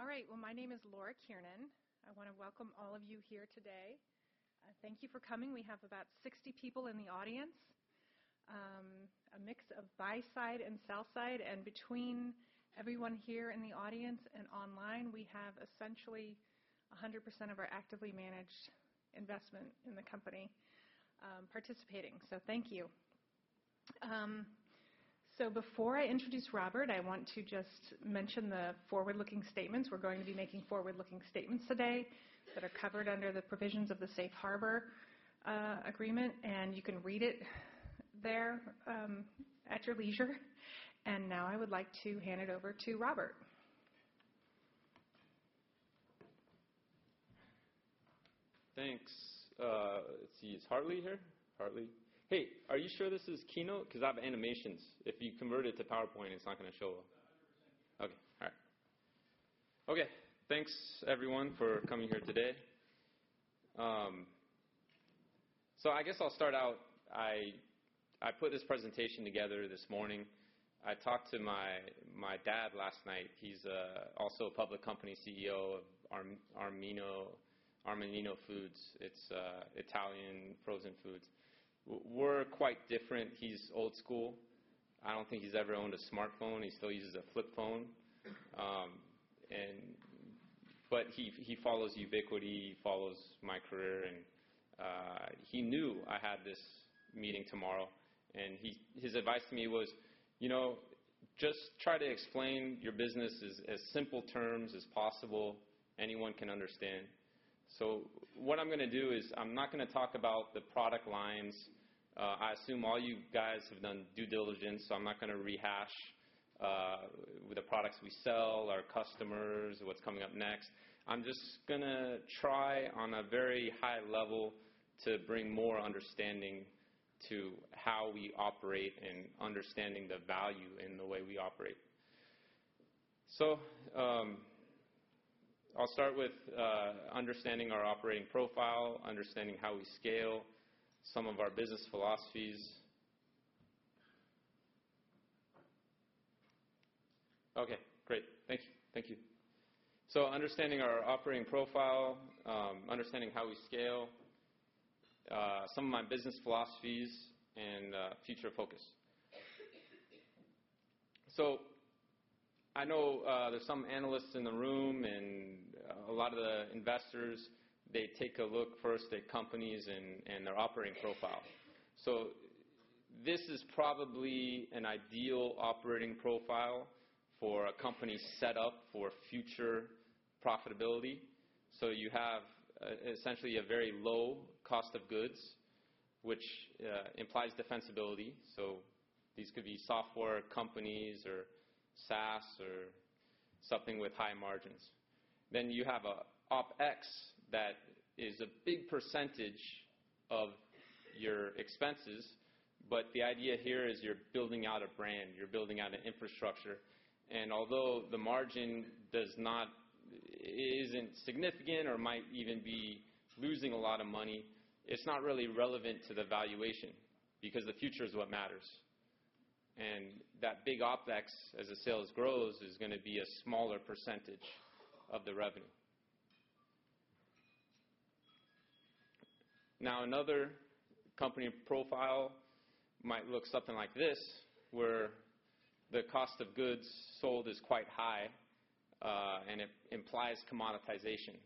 Okay. All right. Great. All right. My name is Laura Kiernan. I want to welcome all of you here today. Thank you for coming. We have about 60 people in the audience, a mix of buy-side and sell-side. Between everyone here in the audience and online, we have essentially 100% of our actively managed investment in the company participating. Thank you. Before I introduce Robert, I want to just mention the forward-looking statements. We're going to be making forward-looking statements today that are covered under the provisions of the Safe Harbor Agreement. You can read it there at your leisure. Now I would like to hand it over to Robert. Thanks. Let's see. Is Hartley here? Hartley? Hey, are you sure this is Keynote? Because I have animations. If you convert it to PowerPoint, it's not going to show up. 100%. Okay. All right. Okay. Thanks, everyone, for coming here today. I guess I'll start out. I put this presentation together this morning. I talked to my dad last night. He's also a public company CEO of Armanino Foods. It's Italian frozen foods. We're quite different. He's old school. I don't think he's ever owned a smartphone. He still uses a flip phone. He follows Ubiquiti. He follows my career. He knew I had this meeting tomorrow. His advice to me was, "Just try to explain your business as simple terms as possible anyone can understand." What I'm going to do is I'm not going to talk about the product lines. I assume all you guys have done due diligence. I'm not going to rehash the products we sell, our customers, what's coming up next. I'm just going to try on a very high level to bring more understanding to how we operate and understanding the value in the way we operate. I'll start with understanding our operating profile, understanding how we scale, some of our business philosophies. Okay. Great. Thank you. Thank you. Understanding our operating profile, understanding how we scale, some of my business philosophies, and future focus. I know there's some analysts in the room and a lot of the investors, they take a look first at companies and their operating profile. This is probably an ideal operating profile for a company set up for future profitability. You have essentially a very low cost of goods, which implies defensibility. These could be software companies or SaaS or something with high margins. Then you have an OpEx that is a big percentage of your expenses. The idea here is you're building out a brand. You're building out an infrastructure. Although the margin isn't significant or might even be losing a lot of money, it's not really relevant to the valuation because the future is what matters. That big OpEx, as the sales grow, is going to be a smaller percentage of the revenue. Another company profile might look something like this, where the cost of goods sold is quite high and it implies commoditization.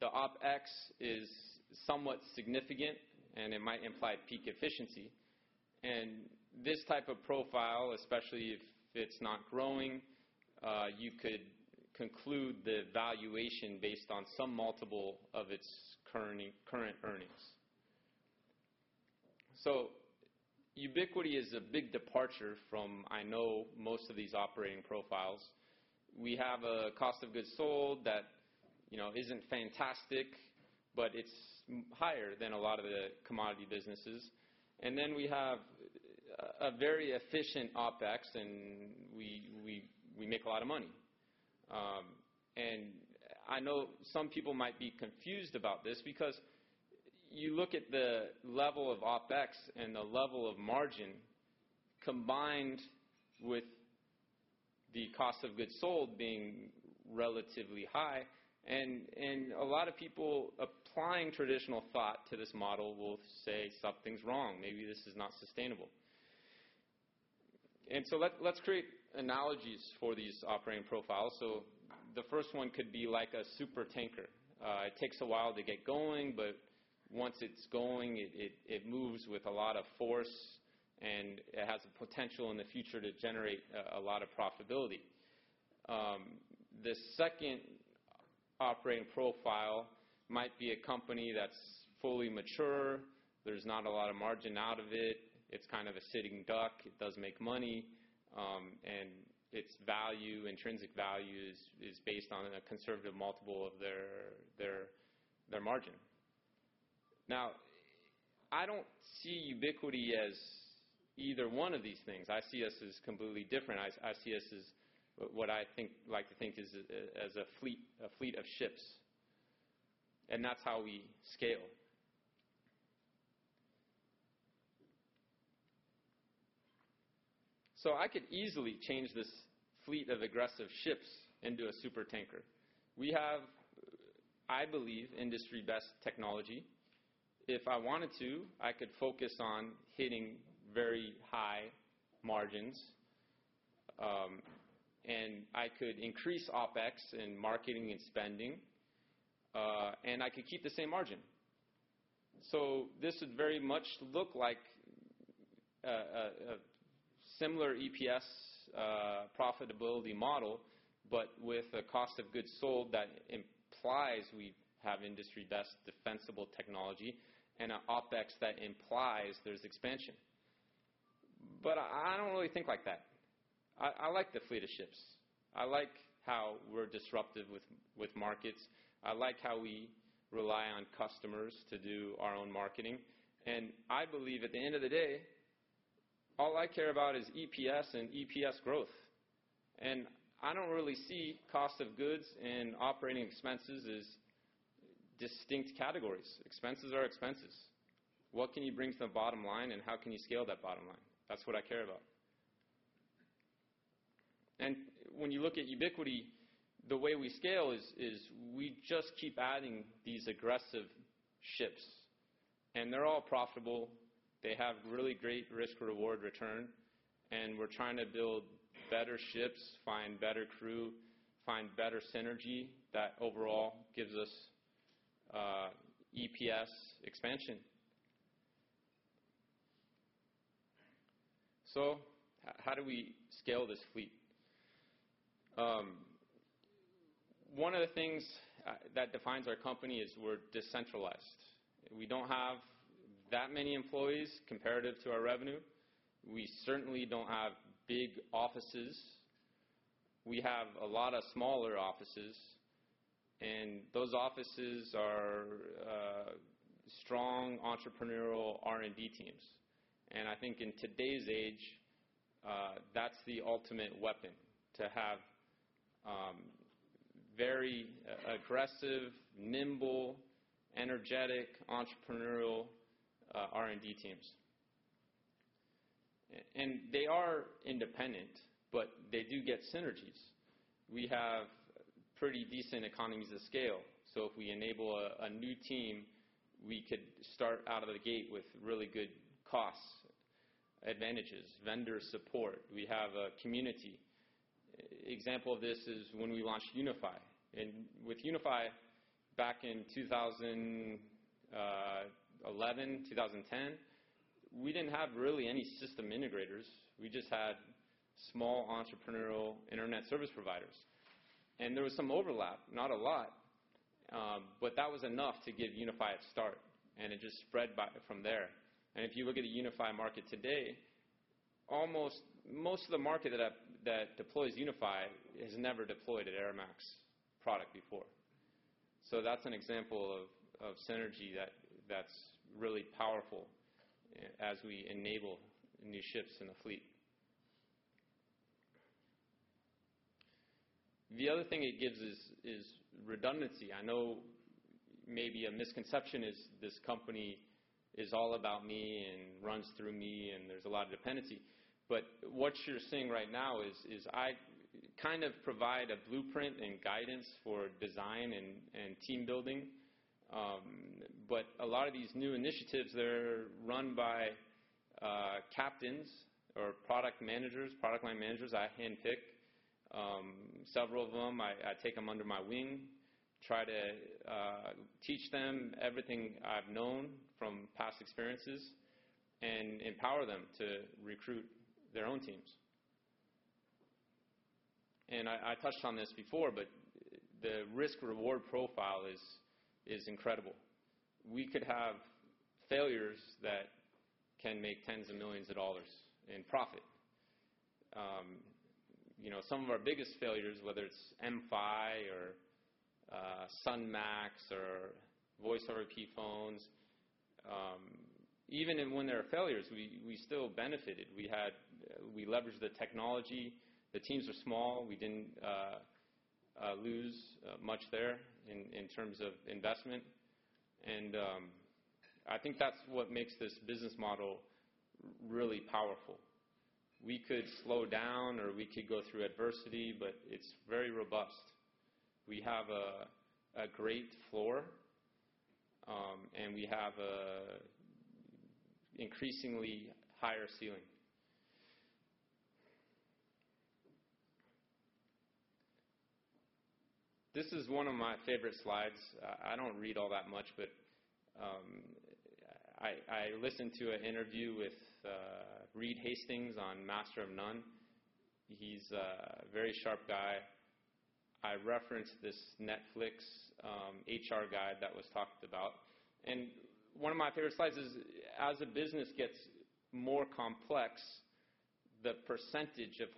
The OpEx is somewhat significant, and it might imply peak efficiency. This type of profile, especially if it's not growing, you could conclude the valuation based on some multiple of its current earnings. Ubiquiti is a big departure from, I know, most of these operating profiles. We have a cost of goods sold that isn't fantastic, but it's higher than a lot of the commodity businesses. Then we have a very efficient OpEx, and we make a lot of money. I know some people might be confused about this because you look at the level of OpEx and the level of margin combined with the cost of goods sold being relatively high. A lot of people applying traditional thought to this model will say something's wrong. Maybe this is not sustainable. Let's create analogies for these operating profiles. The first one could be like a super tanker. It takes a while to get going, but once it's going, it moves with a lot of force, and it has the potential in the future to generate a lot of profitability. The second operating profile might be a company that's fully mature. There's not a lot of margin out of it. It's kind of a sitting duck. It does make money. And its value, intrinsic value, is based on a conservative multiple of their margin. Now, I don't see Ubiquiti as either one of these things. I see us as completely different. I see us as what I like to think is as a fleet of ships. That's how we scale. I could easily change this fleet of aggressive ships into a super tanker. We have, I believe, industry-best technology. If I wanted to, I could focus on hitting very high margins. I could increase OpEx and marketing and spending. I could keep the same margin. This would very much look like a similar EPS profitability model, but with a cost of goods sold that implies we have industry-best defensible technology and an OpEx that implies there's expansion. I don't really think like that. I like the fleet of ships. I like how we're disruptive with markets. I like how we rely on customers to do our own marketing. I believe at the end of the day, all I care about is EPS and EPS growth. I don't really see cost of goods and operating expenses as distinct categories. Expenses are expenses. What can you bring to the bottom line, and how can you scale that bottom line? That's what I care about. When you look at Ubiquiti, the way we scale is we just keep adding these aggressive ships. They're all profitable. They have really great risk-reward return. We are trying to build better ships, find better crew, find better synergy that overall gives us EPS expansion. How do we scale this fleet? One of the things that defines our company is we are decentralized. We do not have that many employees comparative to our revenue. We certainly do not have big offices. We have a lot of smaller offices. Those offices are strong entrepreneurial R&D teams. I think in today's age, that is the ultimate weapon to have very aggressive, nimble, energetic, entrepreneurial R&D teams. They are independent, but they do get synergies. We have pretty decent economies of scale. If we enable a new team, we could start out of the gate with really good cost advantages, vendor support. We have a community. An example of this is when we launched UniFi. With UniFi, back in 2011, 2010, we did not have really any system integrators. We just had small entrepreneurial internet service providers. There was some overlap, not a lot. That was enough to give UniFi a start. It just spread from there. If you look at the UniFi market today, almost most of the market that deploys UniFi has never deployed an airMAX product before. That is an example of synergy that is really powerful as we enable new ships in the fleet. The other thing it gives is redundancy. I know maybe a misconception is this company is all about me and runs through me, and there is a lot of dependency. What you are seeing right now is I kind of provide a blueprint and guidance for design and team building. A lot of these new initiatives, they're run by captains or product managers, product line managers. I handpick several of them. I take them under my wing, try to teach them everything I've known from past experiences, and empower them to recruit their own teams. I touched on this before, but the risk-reward profile is incredible. We could have failures that can make tens of millions of dollars in profit. Some of our biggest failures, whether it's mFi or sunMAX or VoIP Phones, even when there are failures, we still benefited. We leveraged the technology. The teams were small. We didn't lose much there in terms of investment. I think that's what makes this business model really powerful. We could slow down, or we could go through adversity, but it's very robust. We have a great floor, and we have an increasingly higher ceiling. This is one of my favorite slides. I don't read all that much, but I listened to an interview with Reed Hastings on Master of None. He's a very sharp guy. I referenced this Netflix HR guide that was talked about. One of my favorite slides is, as a business gets more complex, the percentage of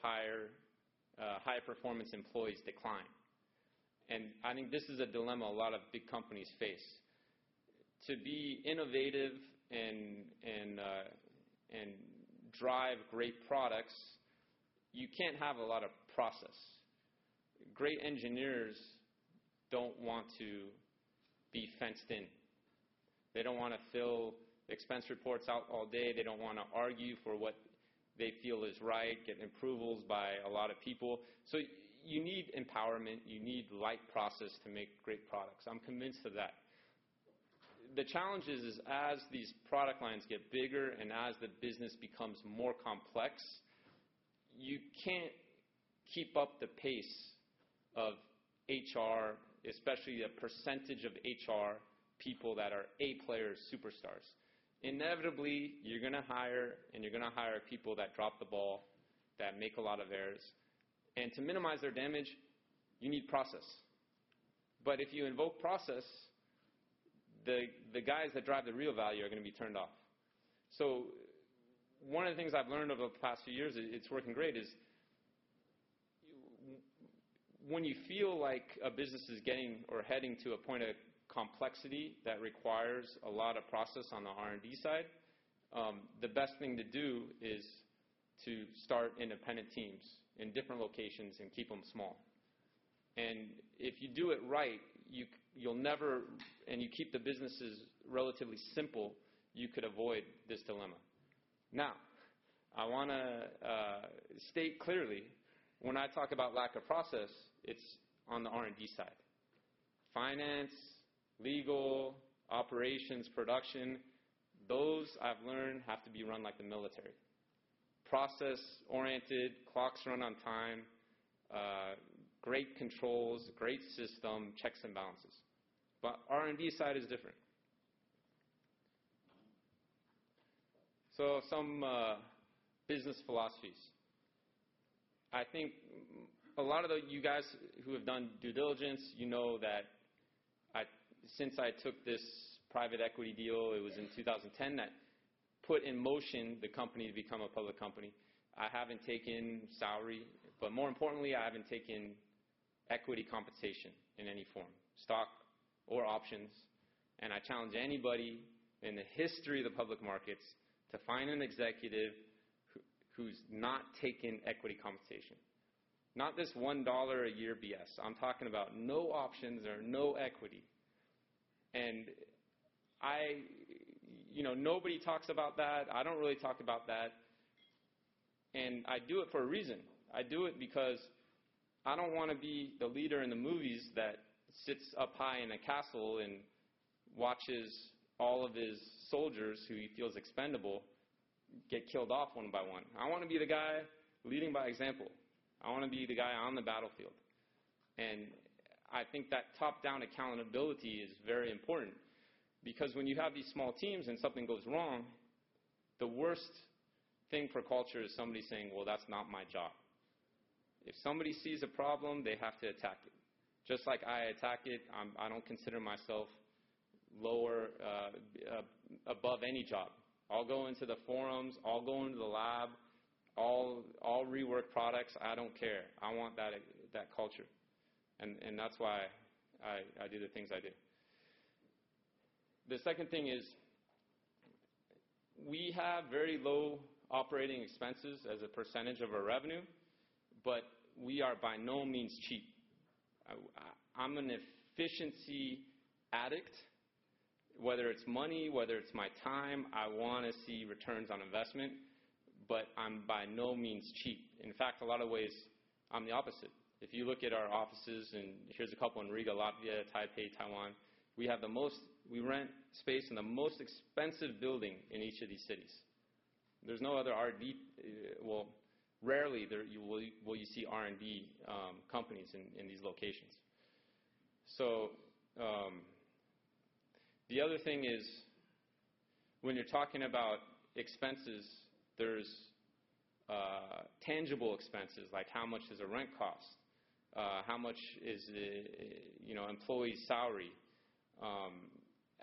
high-performance employees decline. I think this is a dilemma a lot of big companies face. To be innovative and drive great products, you can't have a lot of process. Great engineers don't want to be fenced in. They don't want to fill expense reports out all day. They don't want to argue for what they feel is right, get approvals by a lot of people. You need empowerment. You need light process to make great products. I'm convinced of that. The challenge is, as these product lines get bigger and as the business becomes more complex, you can't keep up the pace of HR, especially the percentage of HR people that are A-player superstars. Inevitably, you're going to hire, and you're going to hire people that drop the ball, that make a lot of errors. To minimize their damage, you need process. If you invoke process, the guys that drive the real value are going to be turned off. One of the things I've learned over the past few years, it's working great, is when you feel like a business is getting or heading to a point of complexity that requires a lot of process on the R&D side, the best thing to do is to start independent teams in different locations and keep them small. If you do it right, and you keep the businesses relatively simple, you could avoid this dilemma. I want to state clearly, when I talk about lack of process, it's on the R&D side. Finance, legal, operations, production, those, I've learned, have to be run like the military. Process-oriented, clocks run on time, great controls, great system, checks and balances. R&D side is different. Some business philosophies. I think a lot of you guys who have done due diligence, you know that since I took this private equity deal, it was in 2010, that put in motion the company to become a public company. I haven't taken salary. More importantly, I haven't taken equity compensation in any form, stock or options. I challenge anybody in the history of the public markets to find an executive who's not taken equity compensation. Not this $1 a year BS. I'm talking about no options or no equity. Nobody talks about that. I don't really talk about that. I do it for a reason. I do it because I don't want to be the leader in the movies that sits up high in a castle and watches all of his soldiers who he feels expendable get killed off one by one. I want to be the guy leading by example. I want to be the guy on the battlefield. I think that top-down accountability is very important because when you have these small teams and something goes wrong, the worst thing for culture is somebody saying, "Well, that's not my job." If somebody sees a problem, they have to attack it. Just like I attack it, I don't consider myself above any job. I'll go into the forums. I'll go into the lab. I'll rework products. I don't care. I want that culture. That's why I do the things I do. The second thing is we have very low operating expenses as a percentage of our revenue, but we are by no means cheap. I'm an efficiency addict. Whether it's money, whether it's my time, I want to see returns on investment. I'm by no means cheap. In fact, a lot of ways, I'm the opposite. If you look at our offices, and here's a couple in Riga, Latvia, Taipei, Taiwan, we rent space in the most expensive building in each of these cities. There's no other R&D, rarely will you see R&D companies in these locations. The other thing is when you're talking about expenses, there's tangible expenses, like how much does a rent cost, how much is an employee's salary,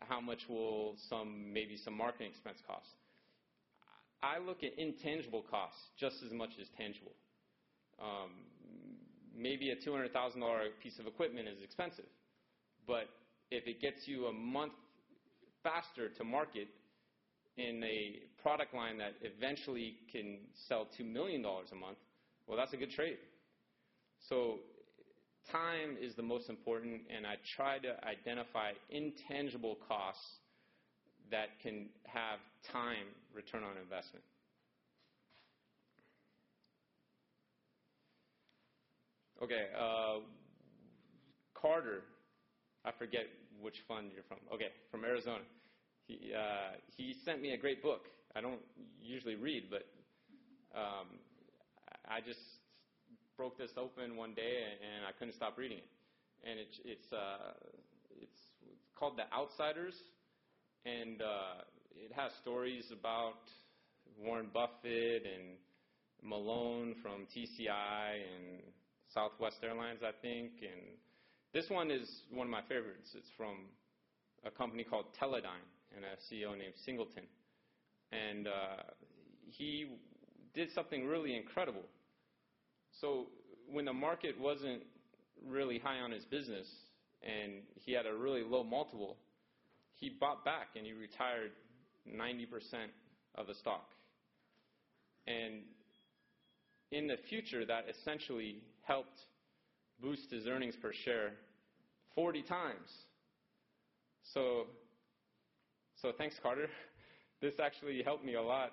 how much will maybe some marketing expense cost. I look at intangible costs just as much as tangible. Maybe a $200,000 piece of equipment is expensive. If it gets you a month faster to market in a product line that eventually can sell $2 million a month, that's a good trade. Time is the most important. I try to identify intangible costs that can have time return on investment. Okay. Carter, I forget which fund you're from. Okay. From Arizona. He sent me a great book. I don't usually read, but I just broke this open one day, and I couldn't stop reading it. It's called The Outsiders. It has stories about Warren Buffett and Malone from TCI and Southwest Airlines, I think. This one is one of my favorites. It is from a company called Teledyne and a CEO named Singleton. He did something really incredible. When the market was not really high on his business and he had a really low multiple, he bought back and retired 90% of the stock. In the future, that essentially helped boost his earnings per share 40 times. Thanks, Carter. This actually helped me a lot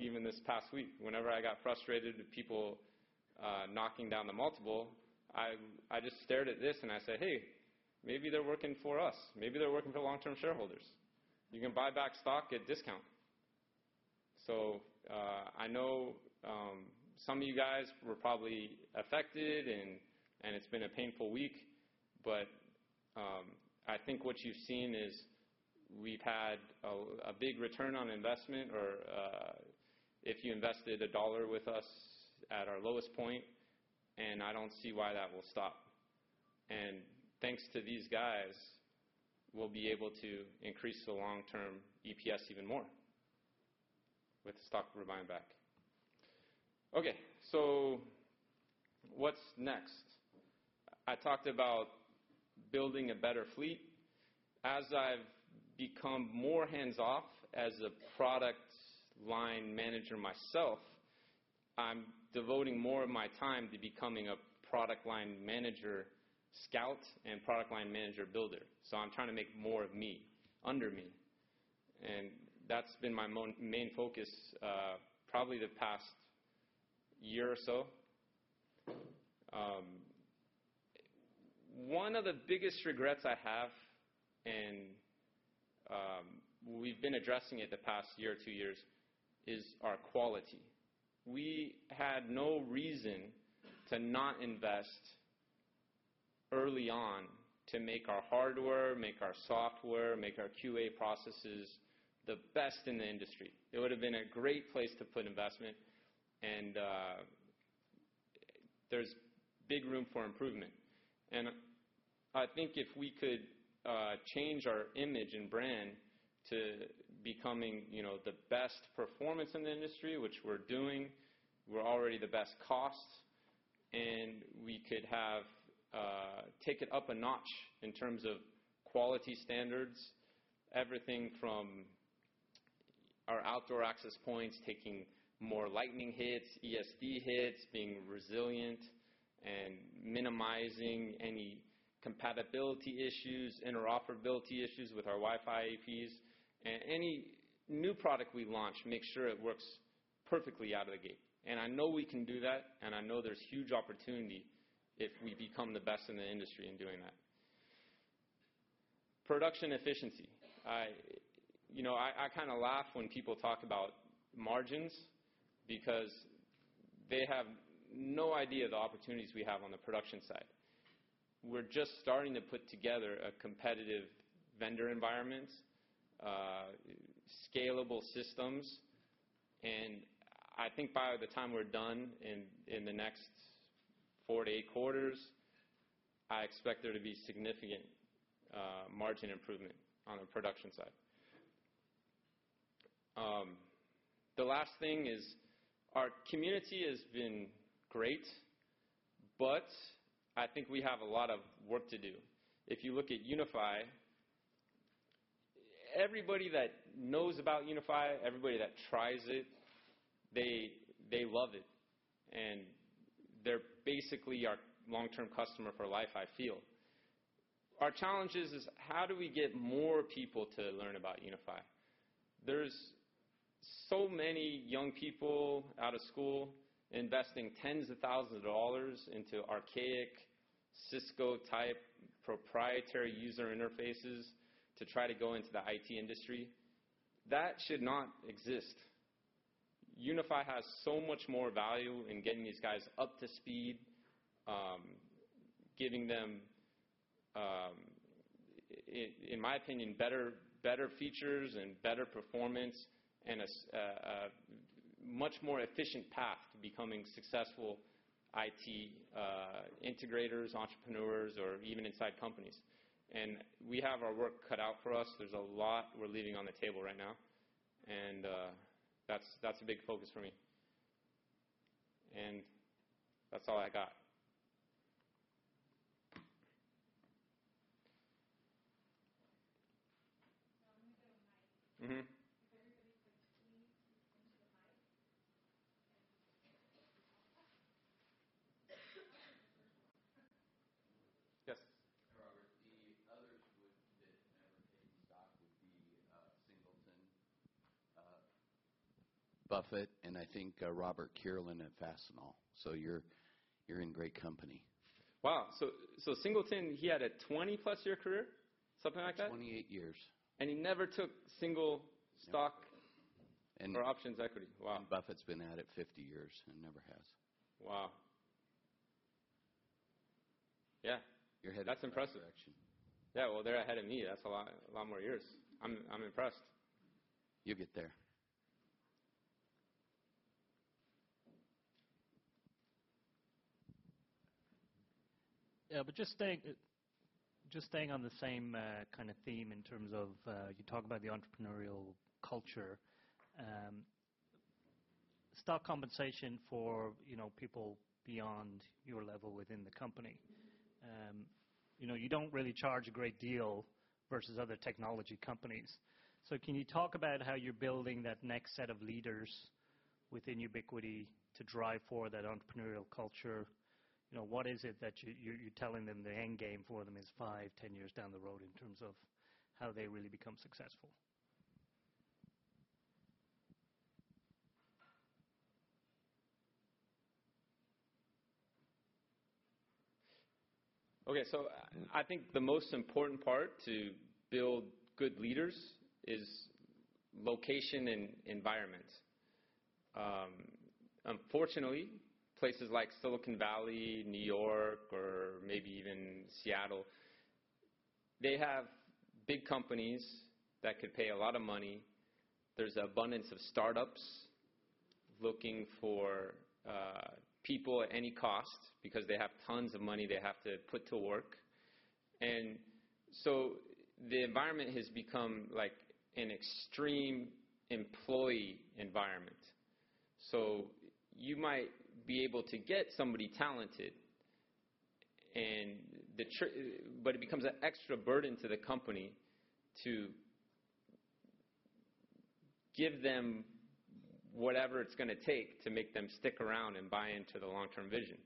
even this past week. Whenever I got frustrated with people knocking down the multiple, I just stared at this and I said, "Hey, maybe they're working for us. Maybe they're working for long-term shareholders. You can buy back stock at discount." I know some of you guys were probably affected, and it has been a painful week. I think what you've seen is we've had a big return on investment, or if you invested a dollar with us at our lowest point, and I don't see why that will stop. Thanks to these guys, we'll be able to increase the long-term EPS even more with the stock we're buying back. Okay. What's next? I talked about building a better fleet. As I've become more hands-off as a product line manager myself, I'm devoting more of my time to becoming a product line manager scout and product line manager builder. I'm trying to make more of me, under me. That's been my main focus probably the past year or so. One of the biggest regrets I have, and we've been addressing it the past year or two years, is our quality. We had no reason to not invest early on to make our hardware, make our software, make our QA processes the best in the industry. It would have been a great place to put investment, and there is big room for improvement. I think if we could change our image and brand to becoming the best performance in the industry, which we are doing, we are already the best cost, and we could take it up a notch in terms of quality standards, everything from our outdoor access points, taking more lightning hits, ESD hits, being resilient, and minimizing any compatibility issues, interoperability issues with our Wi-Fi APs. Any new product we launch, make sure it works perfectly out of the gate. I know we can do that, and I know there is huge opportunity if we become the best in the industry in doing that. Production efficiency. I kind of laugh when people talk about margins because they have no idea the opportunities we have on the production side. We're just starting to put together a competitive vendor environment, scalable systems. I think by the time we're done in the next four to eight quarters, I expect there to be significant margin improvement on the production side. The last thing is our community has been great, but I think we have a lot of work to do. If you look at UniFi, everybody that knows about UniFi, everybody that tries it, they love it. They're basically our long-term customer for life, I feel. Our challenge is, how do we get more people to learn about UniFi? There's so many young people out of school investing tens of thousands of dollars into archaic Cisco-type proprietary user interfaces to try to go into the IT industry. That should not exist. UniFi has so much more value in getting these guys up to speed, giving them, in my opinion, better features and better performance and a much more efficient path to becoming successful IT integrators, entrepreneurs, or even inside companies. We have our work cut out for us. There is a lot we are leaving on the table right now. That is a big focus for me. That is all I got. I'm going to go to Mike. If everybody could please move into the mic. Yes. Robert, the others that never came to stock would be Singleton, Buffett, and I think Robert Kierlin and Fastenal. So you're in great company. Wow. Singleton, he had a 20+ year career, something like that? 28 years. He never took single stock or options equity. Wow. Buffett's been at it 50 years and never has. Wow. Yeah. You're ahead of his track. That's impressive. Yeah. They're ahead of me. That's a lot more years. I'm impressed. You'll get there. Yeah. Just staying on the same kind of theme in terms of you talk about the entrepreneurial culture, stock compensation for people beyond your level within the company. You do not really charge a great deal versus other technology companies. Can you talk about how you are building that next set of leaders within Ubiquiti to drive for that entrepreneurial culture? What is it that you are telling them the end game for them is 5-10 years down the road in terms of how they really become successful? Okay. I think the most important part to build good leaders is location and environment. Unfortunately, places like Silicon Valley, New York, or maybe even Seattle, they have big companies that could pay a lot of money. There's an abundance of startups looking for people at any cost because they have tons of money they have to put to work. The environment has become an extreme employee environment. You might be able to get somebody talented, but it becomes an extra burden to the company to give them whatever it's going to take to make them stick around and buy into the long-term vision.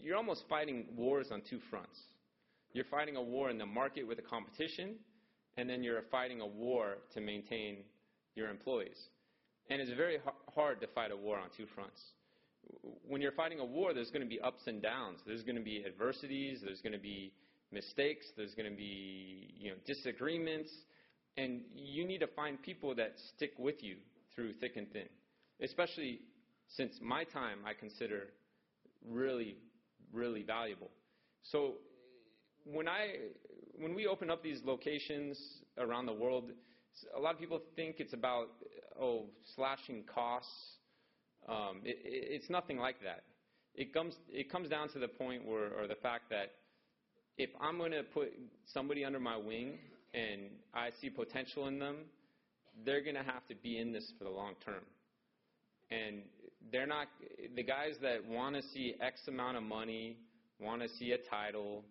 You're almost fighting wars on two fronts. You're fighting a war in the market with the competition, and then you're fighting a war to maintain your employees. It's very hard to fight a war on two fronts. When you're fighting a war, there's going to be ups and downs. There's going to be adversities. There's going to be mistakes. There's going to be disagreements. You need to find people that stick with you through thick and thin, especially since my time I consider really, really valuable. When we open up these locations around the world, a lot of people think it's about, oh, slashing costs. It's nothing like that. It comes down to the point or the fact that if I'm going to put somebody under my wing and I see potential in them, they're going to have to be in this for the long term. The guys that want to see X amount of money, want to see a title,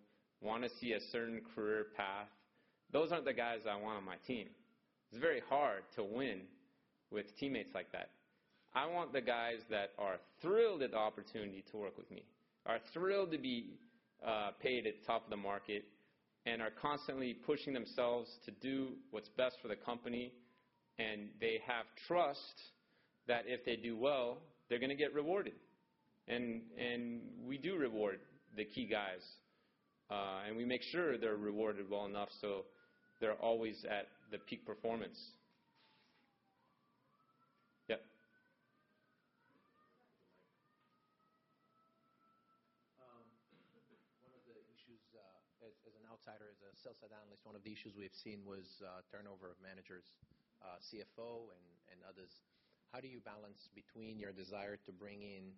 want to see a certain career path, those aren't the guys I want on my team. It's very hard to win with teammates like that. I want the guys that are thrilled at the opportunity to work with me, are thrilled to be paid at the top of the market, and are constantly pushing themselves to do what's best for the company. They have trust that if they do well, they're going to get rewarded. We do reward the key guys. We make sure they're rewarded well enough so they're always at the peak performance. Yep. One of the issues as an outsider, as a sales side analyst, one of the issues we have seen was turnover of managers, CFO, and others. How do you balance between your desire to bring in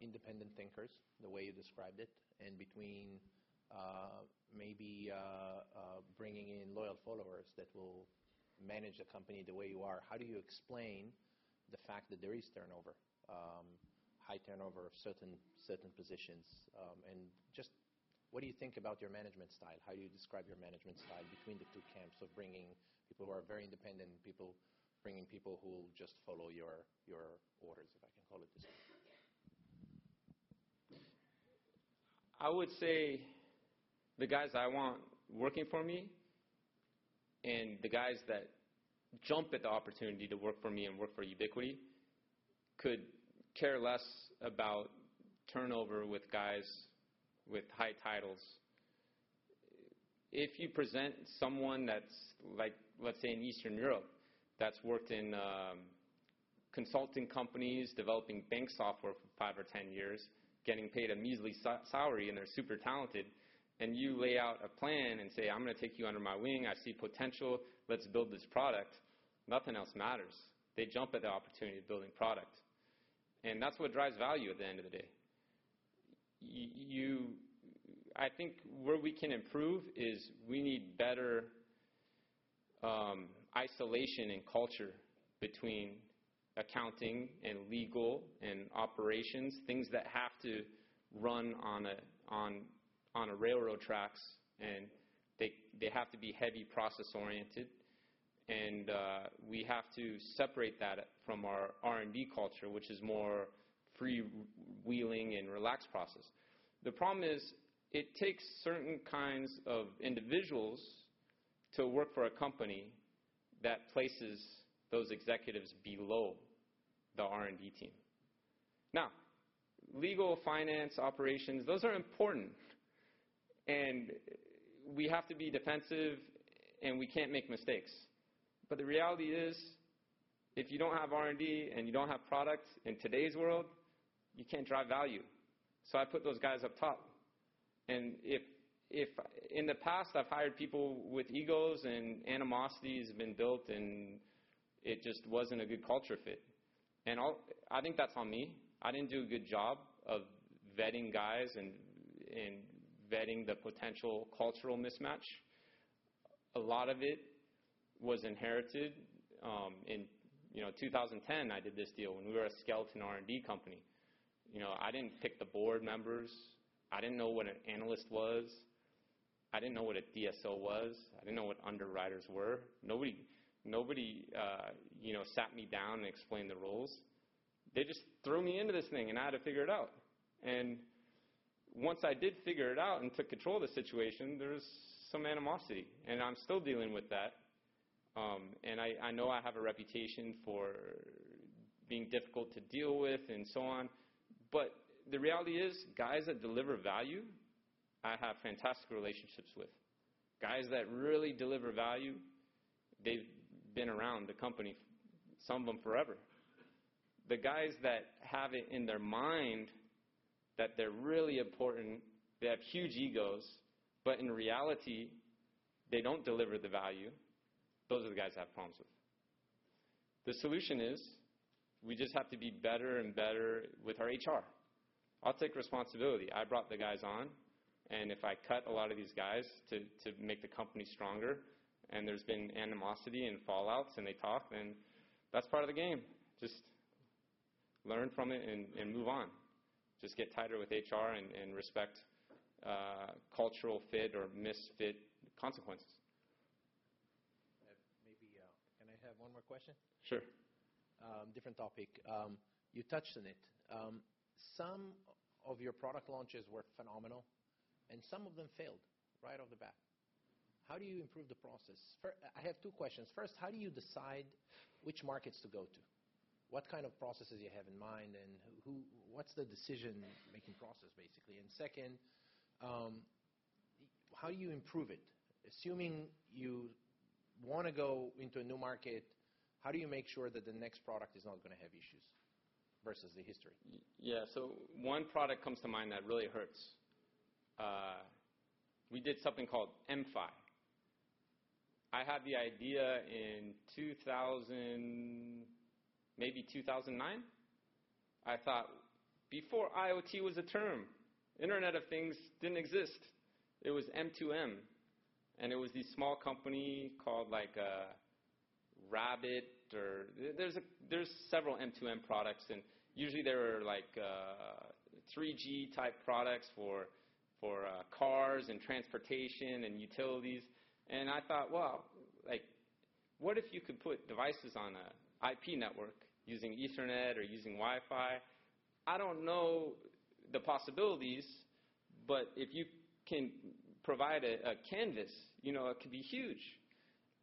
independent thinkers, the way you described it, and between maybe bringing in loyal followers that will manage the company the way you are? How do you explain the fact that there is turnover, high turnover of certain positions? Just what do you think about your management style? How do you describe your management style between the two camps of bringing people who are very independent and bringing people who will just follow your orders, if I can call it this way? I would say the guys I want working for me and the guys that jump at the opportunity to work for me and work for Ubiquiti could care less about turnover with guys with high titles. If you present someone that's, let's say, in Eastern Europe that's worked in consulting companies, developing bank software for 5 or 10 years, getting paid a measly salary and they're super talented, and you lay out a plan and say, "I'm going to take you under my wing. I see potential. Let's build this product." Nothing else matters. They jump at the opportunity of building product. That's what drives value at the end of the day. I think where we can improve is we need better isolation and culture between accounting and legal and operations, things that have to run on railroad tracks, and they have to be heavy process-oriented. We have to separate that from our R&D culture, which is a more freewheeling and relaxed process. The problem is it takes certain kinds of individuals to work for a company that places those executives below the R&D team. Now, legal, finance, operations, those are important. We have to be defensive, and we can't make mistakes. The reality is, if you don't have R&D and you don't have product in today's world, you can't drive value. I put those guys up top. In the past, I've hired people with egos, and animosities have been built, and it just wasn't a good culture fit. I think that's on me. I didn't do a good job of vetting guys and vetting the potential cultural mismatch. A lot of it was inherited. In 2010, I did this deal when we were a skeleton R&D company. I didn't pick the board members. I didn't know what an analyst was. I didn't know what a DSO was. I didn't know what underwriters were. Nobody sat me down and explained the roles. They just threw me into this thing, and I had to figure it out. Once I did figure it out and took control of the situation, there was some animosity. I'm still dealing with that. I know I have a reputation for being difficult to deal with and so on. The reality is, guys that deliver value, I have fantastic relationships with. Guys that really deliver value, they've been around the company, some of them forever. The guys that have it in their mind that they're really important, they have huge egos, but in reality, they don't deliver the value, those are the guys I have problems with. The solution is we just have to be better and better with our HR. I'll take responsibility. I brought the guys on. If I cut a lot of these guys to make the company stronger and there's been animosity and fallouts and they talk, that is part of the game. Just learn from it and move on. Just get tighter with HR and respect cultural fit or misfit consequences. Maybe can I have one more question? Sure. Different topic. You touched on it. Some of your product launches were phenomenal, and some of them failed right off the bat. How do you improve the process? I have two questions. First, how do you decide which markets to go to? What kind of processes do you have in mind? What is the decision-making process, basically? Second, how do you improve it? Assuming you want to go into a new market, how do you make sure that the next product is not going to have issues versus the history? Yeah. So one product comes to mind that really hurts. We did something called mFi. I had the idea in maybe 2009. I thought before IoT was a term, the Internet of Things did not exist. It was M2M. And it was this small company called Rabbit. There are several M2M products. And usually, they were 3G-type products for cars and transportation and utilities. I thought, "What if you could put devices on an IP network using Ethernet or using Wi-Fi?" I do not know the possibilities, but if you can provide a canvas, it could be huge.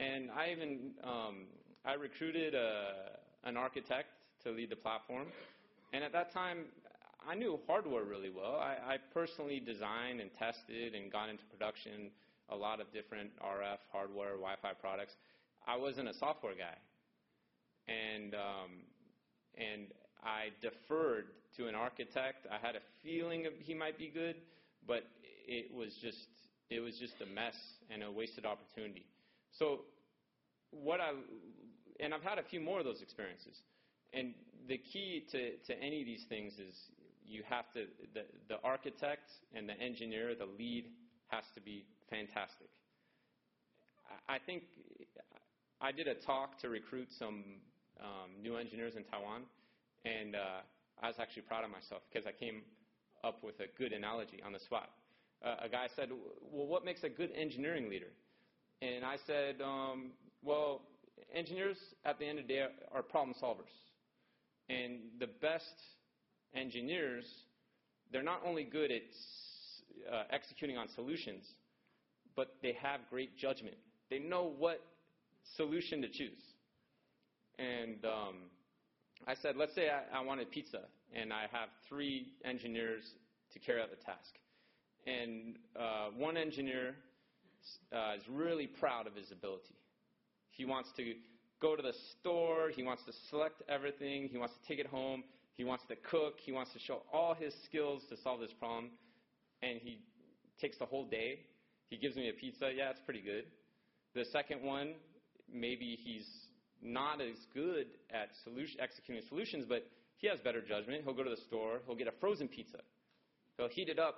I recruited an architect to lead the platform. At that time, I knew hardware really well. I personally designed and tested and got into production a lot of different RF hardware, Wi-Fi products. I was not a software guy. I deferred to an architect. I had a feeling he might be good, but it was just a mess and a wasted opportunity. I've had a few more of those experiences. The key to any of these things is the architect and the engineer, the lead, has to be fantastic. I did a talk to recruit some new engineers in Taiwan. I was actually proud of myself because I came up with a good analogy on the spot. A guy said, "Well, what makes a good engineering leader?" I said, "Well, engineers, at the end of the day, are problem solvers. The best engineers, they're not only good at executing on solutions, but they have great judgment. They know what solution to choose." I said, "Let's say I wanted pizza, and I have three engineers to carry out the task. One engineer is really proud of his ability. He wants to go to the store. He wants to select everything. He wants to take it home. He wants to cook. He wants to show all his skills to solve this problem. He takes the whole day. He gives me a pizza. Yeah, it's pretty good. The second one, maybe he's not as good at executing solutions, but he has better judgment. He'll go to the store. He'll get a frozen pizza. He'll heat it up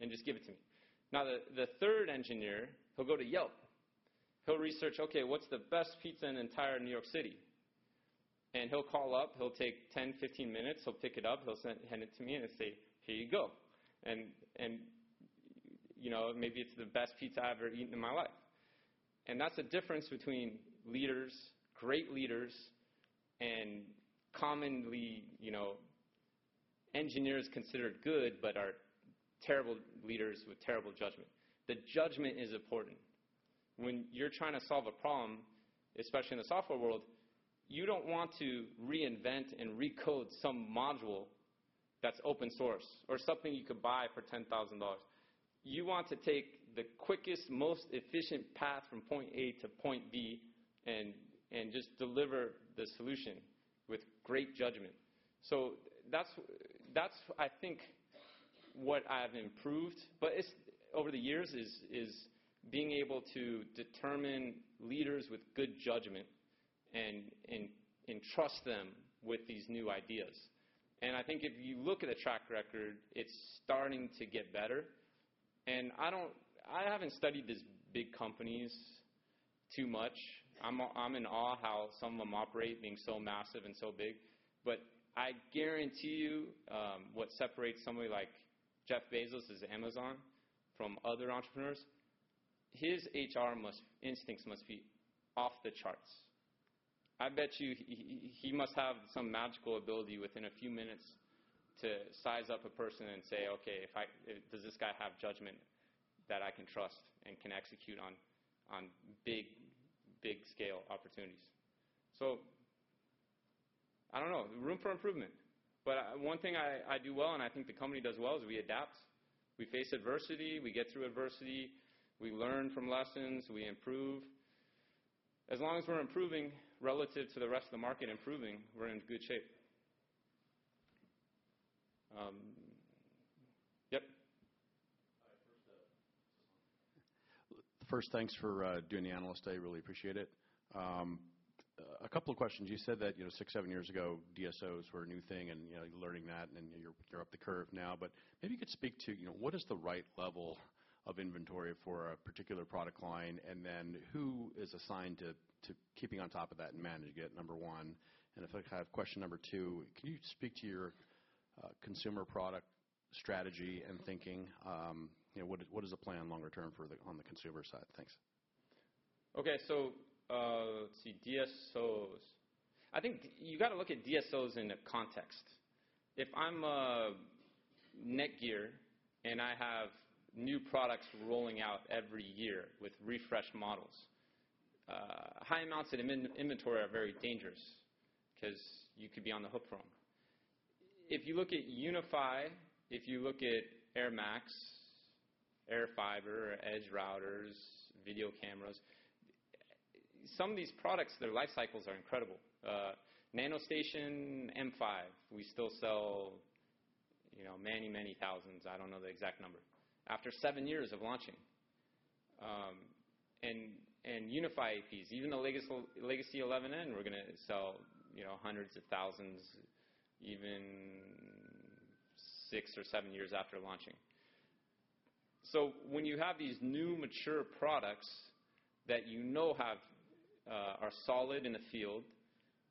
and just give it to me. Now, the third engineer, he'll go to Yelp. He'll research, "Okay, what's the best pizza in entire New York City?" He'll call up. He'll take 10-15 minutes. He'll pick it up. He'll send it to me, and it'll say, "Here you go." Maybe it's the best pizza I've ever eaten in my life. That's a difference between leaders, great leaders, and commonly engineers considered good but are terrible leaders with terrible judgment. The judgment is important. When you're trying to solve a problem, especially in the software world, you don't want to reinvent and recode some module that's open source or something you could buy for $10,000. You want to take the quickest, most efficient path from point A to point B and just deliver the solution with great judgment. That's, I think, what I've improved. Over the years, it's being able to determine leaders with good judgment and entrust them with these new ideas. I think if you look at the track record, it's starting to get better. I haven't studied these big companies too much. I'm in awe of how some of them operate, being so massive and so big. I guarantee you what separates somebody like Jeff Bezos' Amazon from other entrepreneurs, his HR instincts must be off the charts. I bet you he must have some magical ability within a few minutes to size up a person and say, "Okay, does this guy have judgment that I can trust and can execute on big, big-scale opportunities?" I do not know. Room for improvement. One thing I do well, and I think the company does well, is we adapt. We face adversity. We get through adversity. We learn from lessons. We improve. As long as we're improving relative to the rest of the market, improving, we're in good shape. Yep. Hi. First, just one quick question. First, thanks for doing the analyst. I really appreciate it. A couple of questions. You said that six, seven years ago, DSOs were a new thing and learning that, and you're up the curve now. Maybe you could speak to what is the right level of inventory for a particular product line, and then who is assigned to keeping on top of that and managing it, number one? If I have question number two, can you speak to your consumer product strategy and thinking? What is the plan longer term on the consumer side? Thanks. Okay. Let's see. I think you got to look at DSOs in a context. If I'm Netgear and I have new products rolling out every year with refreshed models, high amounts of inventory are very dangerous because you could be on the hook for them. If you look at UniFi, if you look at airMAX, airFiber, Edge Routers, video cameras, some of these products, their life cycles are incredible. NanoStation M5, we still sell many, many thousands. I don't know the exact number after seven years of launching. And UniFi APs, even the legacy 11N, we're going to sell hundreds of thousands even six or seven years after launching. When you have these new mature products that you know are solid in the field,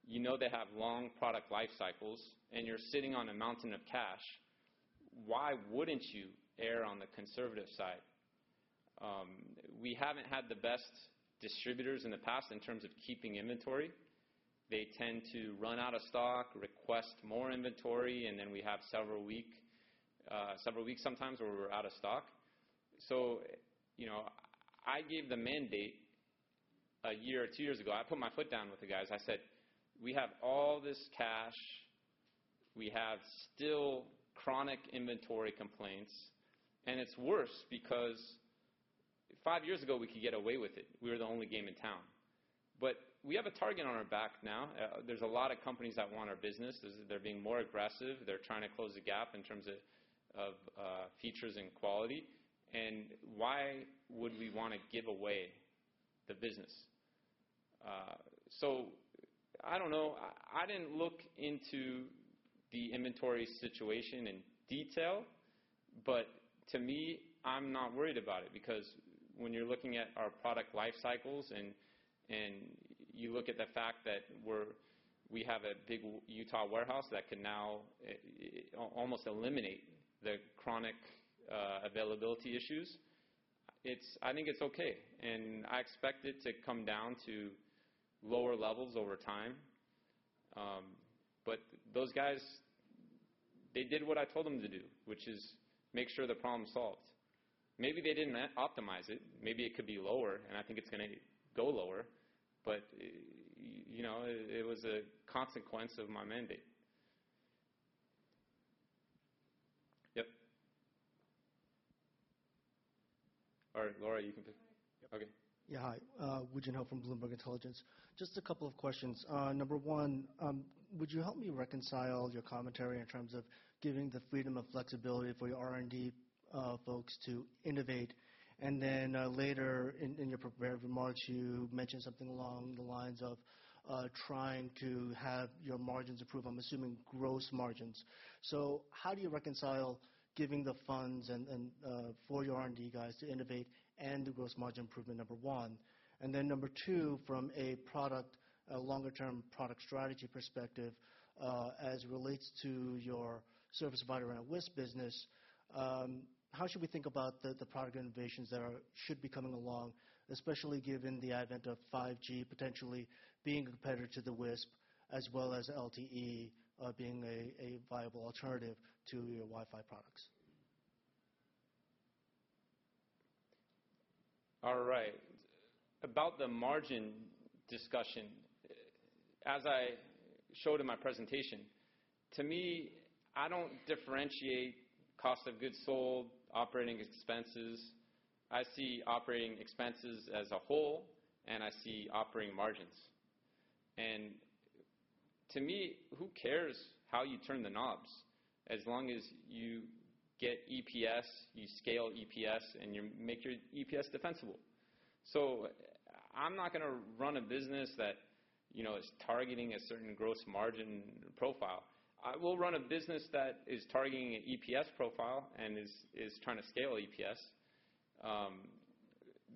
you know they have long product life cycles, and you're sitting on a mountain of cash, why wouldn't you err on the conservative side? We haven't had the best distributors in the past in terms of keeping inventory. They tend to run out of stock, request more inventory, and then we have several weeks sometimes where we're out of stock. I gave the mandate a year or two years ago. I put my foot down with the guys. I said, "We have all this cash. We have still chronic inventory complaints." It's worse because five years ago, we could get away with it. We were the only game in town. We have a target on our back now. There are a lot of companies that want our business. They're being more aggressive. They're trying to close the gap in terms of features and quality. Why would we want to give away the business? I don't know. I didn't look into the inventory situation in detail, but to me, I'm not worried about it because when you're looking at our product life cycles and you look at the fact that we have a big Utah warehouse that can now almost eliminate the chronic availability issues, I think it's okay. I expect it to come down to lower levels over time. Those guys did what I told them to do, which is make sure the problem's solved. Maybe they didn't optimize it. Maybe it could be lower, and I think it's going to go lower. It was a consequence of my mandate. Yep. All right. Laura, you can pick. Hi. Okay. Yeah. Hi. Woo Jin Ho from Bloomberg Intelligence. Just a couple of questions. Number one, would you help me reconcile your commentary in terms of giving the freedom of flexibility for your R&D folks to innovate? Later, in your prepared remarks, you mentioned something along the lines of trying to have your margins improve, I'm assuming gross margins. How do you reconcile giving the funds for your R&D guys to innovate and the gross margin improvement, number one? Number two, from a longer-term product strategy perspective, as it relates to your service provider around WISP business, how should we think about the product innovations that should be coming along, especially given the advent of 5G potentially being a competitor to the WISP, as well as LTE being a viable alternative to your Wi-Fi products? All right. About the margin discussion, as I showed in my presentation, to me, I do not differentiate cost of goods sold, operating expenses. I see operating expenses as a whole, and I see operating margins. To me, who cares how you turn the knobs as long as you get EPS, you scale EPS, and you make your EPS defensible? I am not going to run a business that is targeting a certain gross margin profile. I will run a business that is targeting an EPS profile and is trying to scale EPS.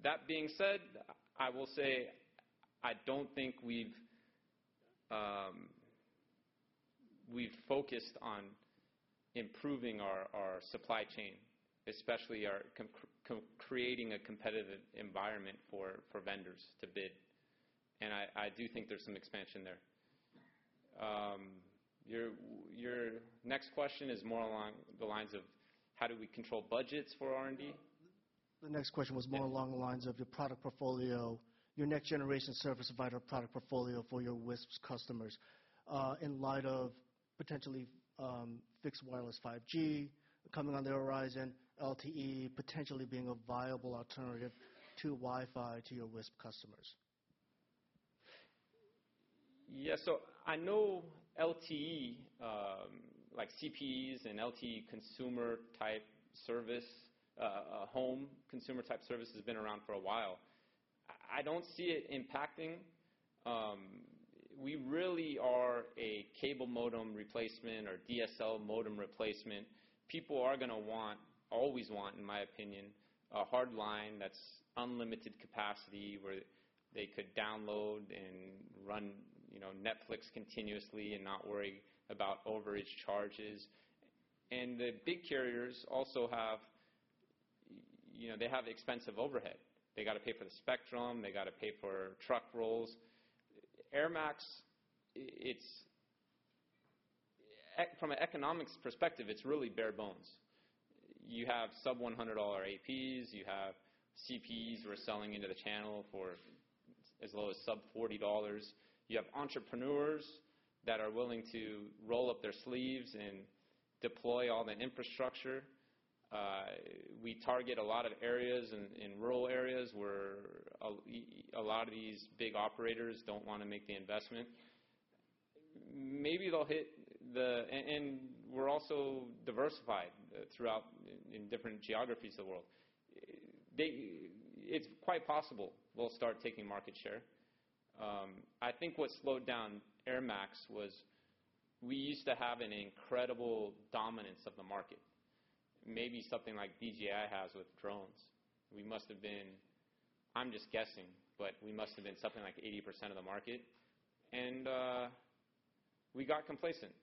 That being said, I will say I do not think we have focused on improving our supply chain, especially creating a competitive environment for vendors to bid. I do think there is some expansion there. Your next question is more along the lines of how do we control budgets for R&D? The next question was more along the lines of your product portfolio, your next-generation service provider product portfolio for your WISP customers in light of potentially fixed wireless 5G coming on the horizon, LTE potentially being a viable alternative to Wi-Fi to your WISP customers. Yeah. I know LTE, like CPEs and LTE consumer-type service, home consumer-type service, has been around for a while. I do not see it impacting. We really are a cable modem replacement or DSL modem replacement. People are going to always want, in my opinion, a hard line that is unlimited capacity where they could download and run Netflix continuously and not worry about overage charges. The big carriers also have expensive overhead. They have to pay for the spectrum. They have to pay for truck rolls. airMAX, from an economics perspective, is really bare bones. You have sub-$100 APs. You have CPEs we are selling into the channel for as low as sub-$40. You have entrepreneurs that are willing to roll up their sleeves and deploy all the infrastructure. We target a lot of areas in rural areas where a lot of these big operators do not want to make the investment. Maybe they will hit the and we are also diversified throughout in different geographies of the world. It is quite possible they will start taking market share. I think what slowed down airMAX was we used to have an incredible dominance of the market, maybe something like DJI has with drones. We must have been—I am just guessing—but we must have been something like 80% of the market. We got complacent.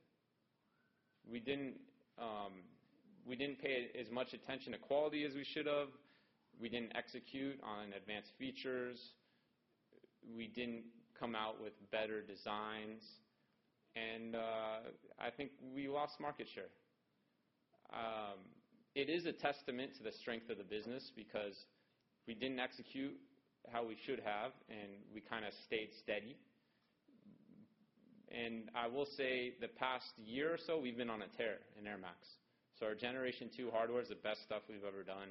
We did not pay as much attention to quality as we should have. We did not execute on advanced features. We did not come out with better designs. I think we lost market share. It is a testament to the strength of the business because we did not execute how we should have, and we kind of stayed steady. I will say the past year or so, we've been on a tear in airMAX. Our generation two hardware is the best stuff we've ever done.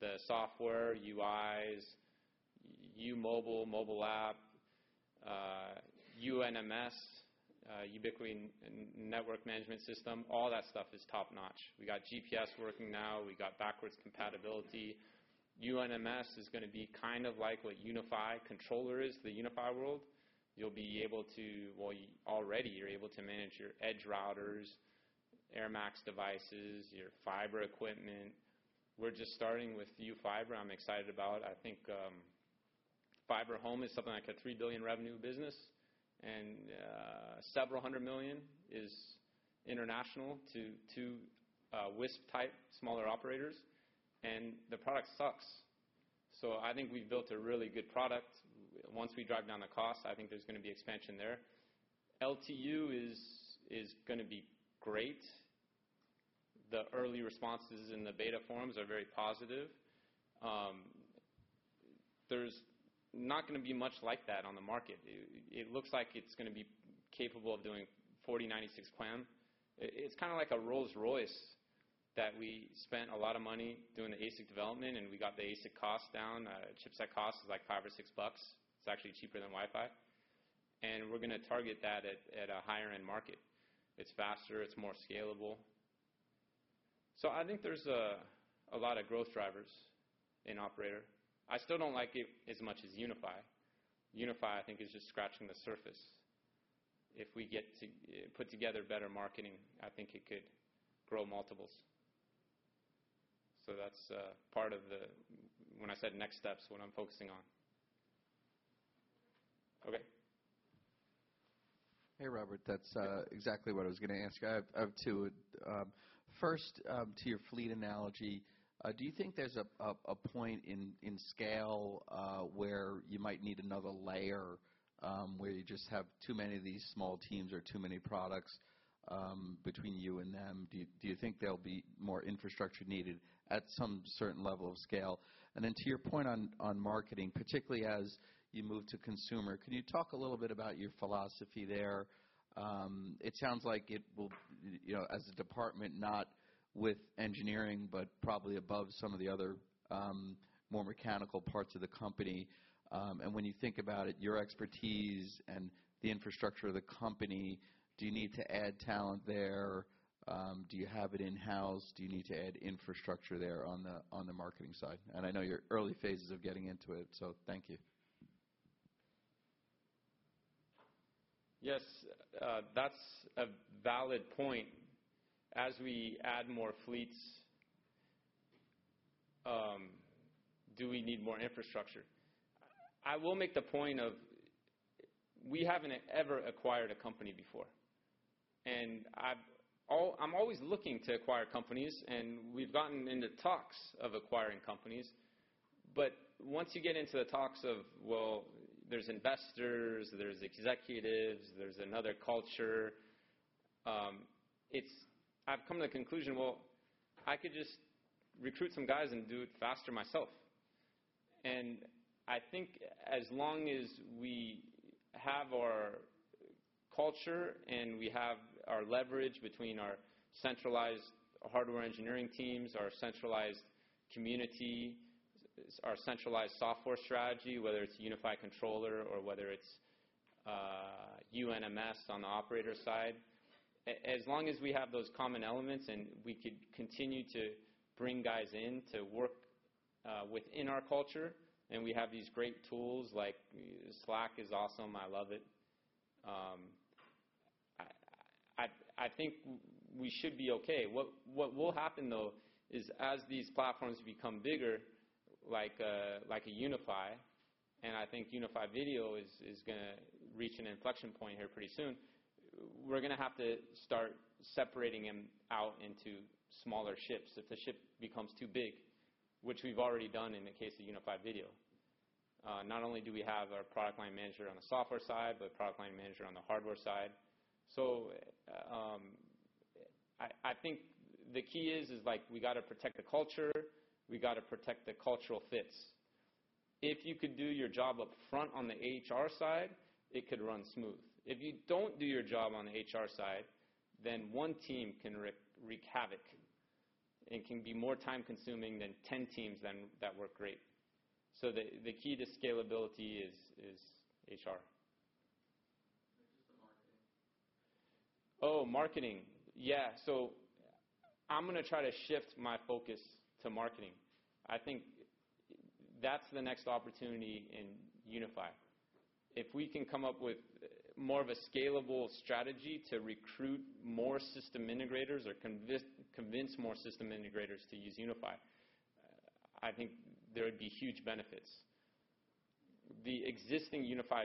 The software, UIs, U Mobile, mobile app, UNMS, Ubiquiti Network Management System, all that stuff is top-notch. We got GPS working now. We got backwards compatibility. UNMS is going to be kind of like what UniFi controller is, the UniFi world. You'll be able to—well, already you're able to manage your Edge routers, airMAX devices, your fiber equipment. We're just starting with U Fiber. I'm excited about it. I think Fiber Home is something like a $3 billion revenue business, and several hundred million is international to WISP-type smaller operators. The product sucks. I think we've built a really good product. Once we drive down the cost, I think there's going to be expansion there. LTU is going to be great. The early responses in the beta forms are very positive. There's not going to be much like that on the market. It looks like it's going to be capable of doing 4096 QAM. It's kind of like a Rolls-Royce that we spent a lot of money doing the ASIC development, and we got the ASIC cost down. Chipset cost is like $5 or $6. It's actually cheaper than Wi-Fi. And we're going to target that at a higher-end market. It's faster. It's more scalable. I think there's a lot of growth drivers in operator. I still don't like it as much as UniFi. UniFi, I think, is just scratching the surface. If we get to put together better marketing, I think it could grow multiples. That's part of the—when I said next steps, what I'm focusing on. Okay. Hey, Robert. That's exactly what I was going to ask. I have two. First, to your fleet analogy, do you think there's a point in scale where you might need another layer where you just have too many of these small teams or too many products between you and them? Do you think there'll be more infrastructure needed at some certain level of scale? To your point on marketing, particularly as you move to consumer, can you talk a little bit about your philosophy there? It sounds like it will, as a department, not with engineering, but probably above some of the other more mechanical parts of the company. When you think about it, your expertise and the infrastructure of the company, do you need to add talent there? Do you have it in-house? Do you need to add infrastructure there on the marketing side? I know you're early phases of getting into it, so thank you. Yes. That's a valid point. As we add more fleets, do we need more infrastructure? I will make the point of we haven't ever acquired a company before. I am always looking to acquire companies, and we've gotten into talks of acquiring companies. Once you get into the talks of, you know, there's investors, there's executives, there's another culture, I have come to the conclusion, I could just recruit some guys and do it faster myself. I think as long as we have our culture and we have our leverage between our centralized hardware engineering teams, our centralized community, our centralized software strategy, whether it's UniFi controller or whether it's UNMS on the operator side, as long as we have those common elements and we could continue to bring guys in to work within our culture and we have these great tools like Slack is awesome. I love it. I think we should be okay. What will happen, though, is as these platforms become bigger, like a UniFi, and I think UniFi Video is going to reach an inflection point here pretty soon, we're going to have to start separating them out into smaller ships. If the ship becomes too big, which we've already done in the case of UniFi Video, not only do we have our product line manager on the software side, but product line manager on the hardware side. I think the key is we got to protect the culture. We got to protect the cultural fits. If you could do your job upfront on the HR side, it could run smooth. If you don't do your job on the HR side, then one team can wreak havoc and can be more time-consuming than 10 teams that work great. The key to scalability is HR. Just the marketing. Oh, marketing. Yeah. I'm going to try to shift my focus to marketing. I think that's the next opportunity in UniFi. If we can come up with more of a scalable strategy to recruit more system integrators or convince more system integrators to use UniFi, I think there would be huge benefits. The existing UniFi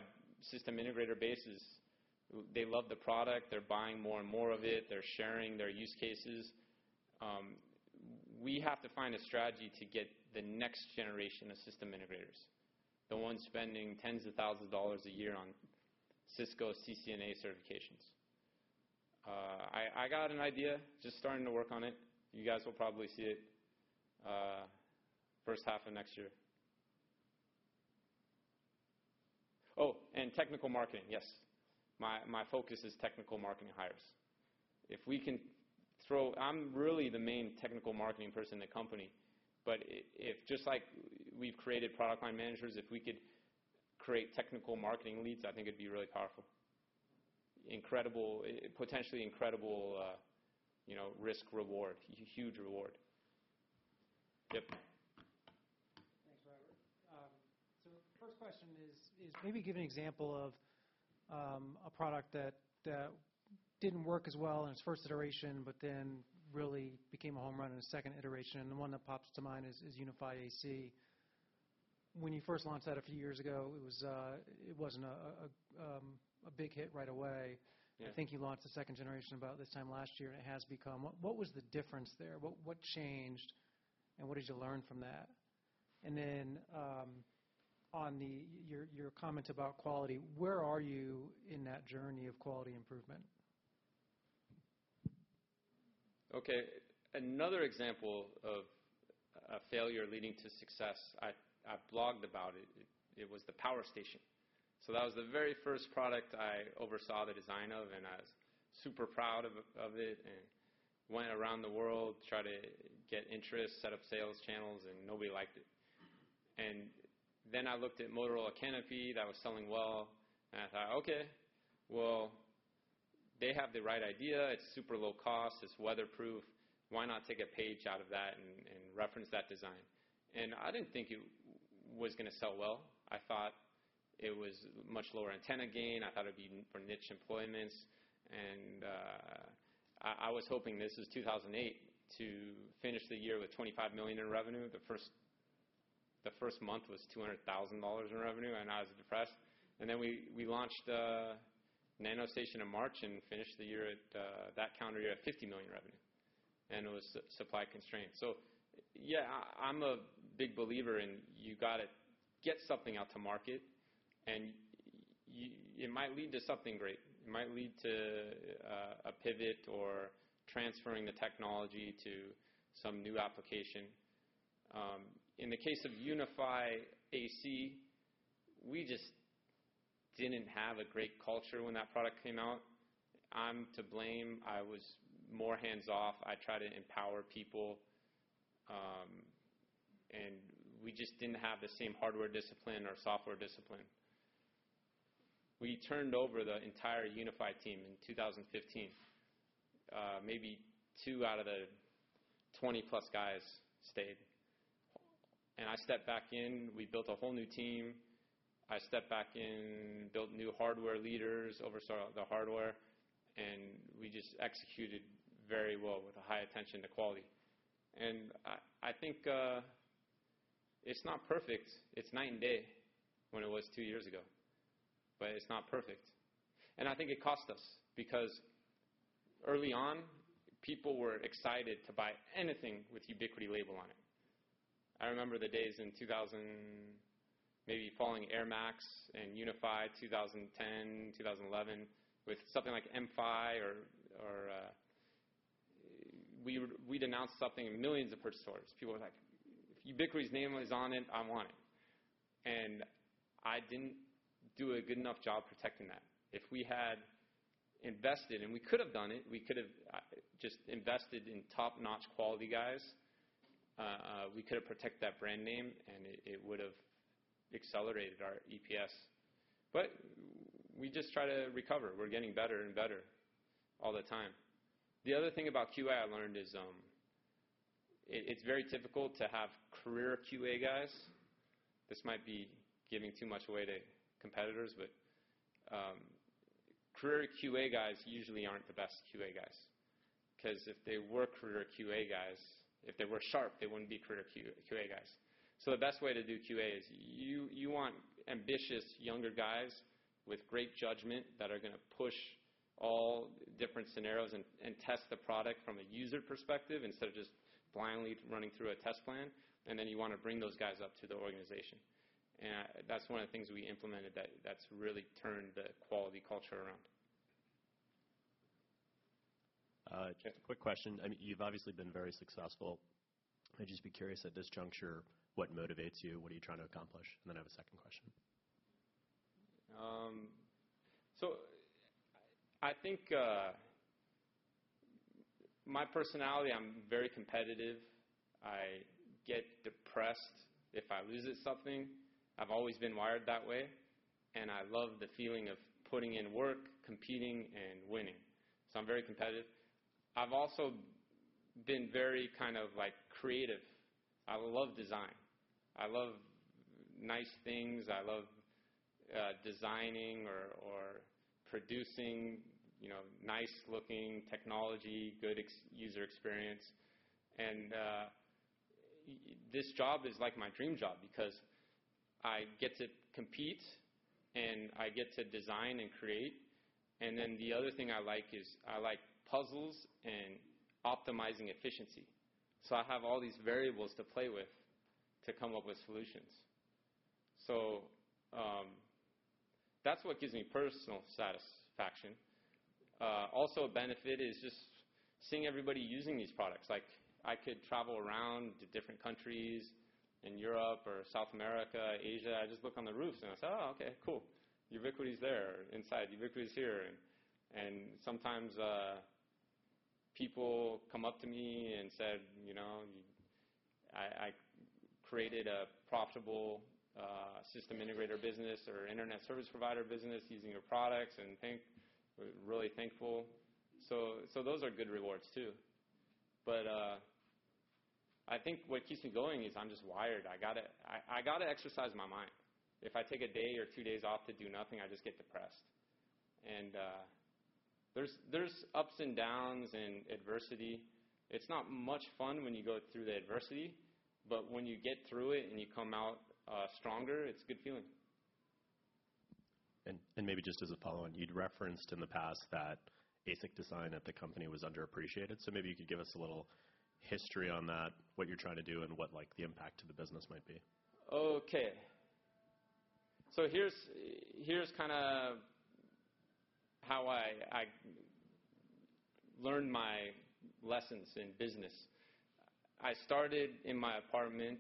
system integrator bases, they love the product. They're buying more and more of it. They're sharing their use cases. We have to find a strategy to get the next generation of system integrators, the ones spending tens of thousands of dollars a year on Cisco CCNA certifications. I got an idea, just starting to work on it. You guys will probably see it first half of next year. Oh, and technical marketing, yes. My focus is technical marketing hires. If we can throw—I'm really the main technical marketing person in the company. Just like we've created product line managers, if we could create technical marketing leads, I think it'd be really powerful. Incredible, potentially incredible risk-reward, huge reward. Yep. Thanks, Robert. First question is, maybe give an example of a product that didn't work as well in its first iteration, but then really became a home run in the second iteration. The one that pops to mind is UniFi AC. When you first launched that a few years ago, it wasn't a big hit right away. I think you launched the second generation about this time last year, and it has become—what was the difference there? What changed, and what did you learn from that? On your comments about quality, where are you in that journey of quality improvement? Okay. Another example of a failure leading to success, I've blogged about it. It was the Power Station. That was the very first product I oversaw the design of, and I was super proud of it and went around the world to try to get interest, set up sales channels, and nobody liked it. I looked at Motorola Canopy that was selling well, and I thought, "Okay. They have the right idea. It's super low cost. It's weatherproof. Why not take a page out of that and reference that design?" I did not think it was going to sell well. I thought it was much lower antenna gain. I thought it would be for niche employments. I was hoping this was 2008 to finish the year with $25 million in revenue. The first month was $200,000 in revenue, and I was depressed. We launched NanoStation in March and finished the year, that calendar year, at $50 million revenue. It was supply constrained. I'm a big believer in you got to get something out to market, and it might lead to something great. It might lead to a pivot or transferring the technology to some new application. In the case of UniFi AC, we just did not have a great culture when that product came out. I'm to blame. I was more hands-off. I tried to empower people, and we just did not have the same hardware discipline or software discipline. We turned over the entire UniFi team in 2015. Maybe two out of the 20-plus guys stayed. I stepped back in. We built a whole new team. I stepped back in, built new hardware leaders, oversaw the hardware, and we just executed very well with a high attention to quality. I think it's not perfect. It's night and day when it was two years ago, but it's not perfect. I think it cost us because early on, people were excited to buy anything with Ubiquiti label on it. I remember the days in 2000, maybe following airMAX and UniFi 2010, 2011 with something like mFi or we'd announced something in millions of stores. People were like, "If Ubiquiti's name is on it, I want it." I didn't do a good enough job protecting that. If we had invested, and we could have done it, we could have just invested in top-notch quality guys. We could have protected that brand name, and it would have accelerated our EPS. We just try to recover. We're getting better and better all the time. The other thing about QA I learned is it's very typical to have career QA guys. This might be giving too much away to competitors, but career QA guys usually aren't the best QA guys. Because if they were career QA guys, if they were sharp, they wouldn't be career QA guys. The best way to do QA is you want ambitious younger guys with great judgment that are going to push all different scenarios and test the product from a user perspective instead of just blindly running through a test plan. You want to bring those guys up to the organization. That's one of the things we implemented that's really turned the quality culture around. Just a quick question. You've obviously been very successful. I'd just be curious at this juncture, what motivates you? What are you trying to accomplish? I have a second question. I think my personality, I'm very competitive. I get depressed if I lose at something. I've always been wired that way. I love the feeling of putting in work, competing, and winning. I'm very competitive. I've also been very kind of creative. I love design. I love nice things. I love designing or producing nice-looking technology, good user experience. This job is like my dream job because I get to compete, and I get to design and create. The other thing I like is I like puzzles and optimizing efficiency. I have all these variables to play with to come up with solutions. That's what gives me personal satisfaction. Also, a benefit is just seeing everybody using these products. I could travel around to different countries in Europe or South America, Asia. I just look on the roofs, and I say, "Oh, okay. Cool. Ubiquiti's there. Inside Ubiquiti's here." Sometimes people come up to me and say, "I created a profitable system integrator business or internet service provider business using your products," and thank, really thankful. Those are good rewards too. I think what keeps me going is I'm just wired. I got to exercise my mind. If I take a day or two days off to do nothing, I just get depressed. There are ups and downs and adversity. It's not much fun when you go through the adversity, but when you get through it and you come out stronger, it's a good feeling. Maybe just as a follow-on, you'd referenced in the past that ASIC design at the company was underappreciated. Maybe you could give us a little history on that, what you're trying to do, and what the impact to the business might be. Okay. Here's kind of how I learned my lessons in business. I started in my apartment.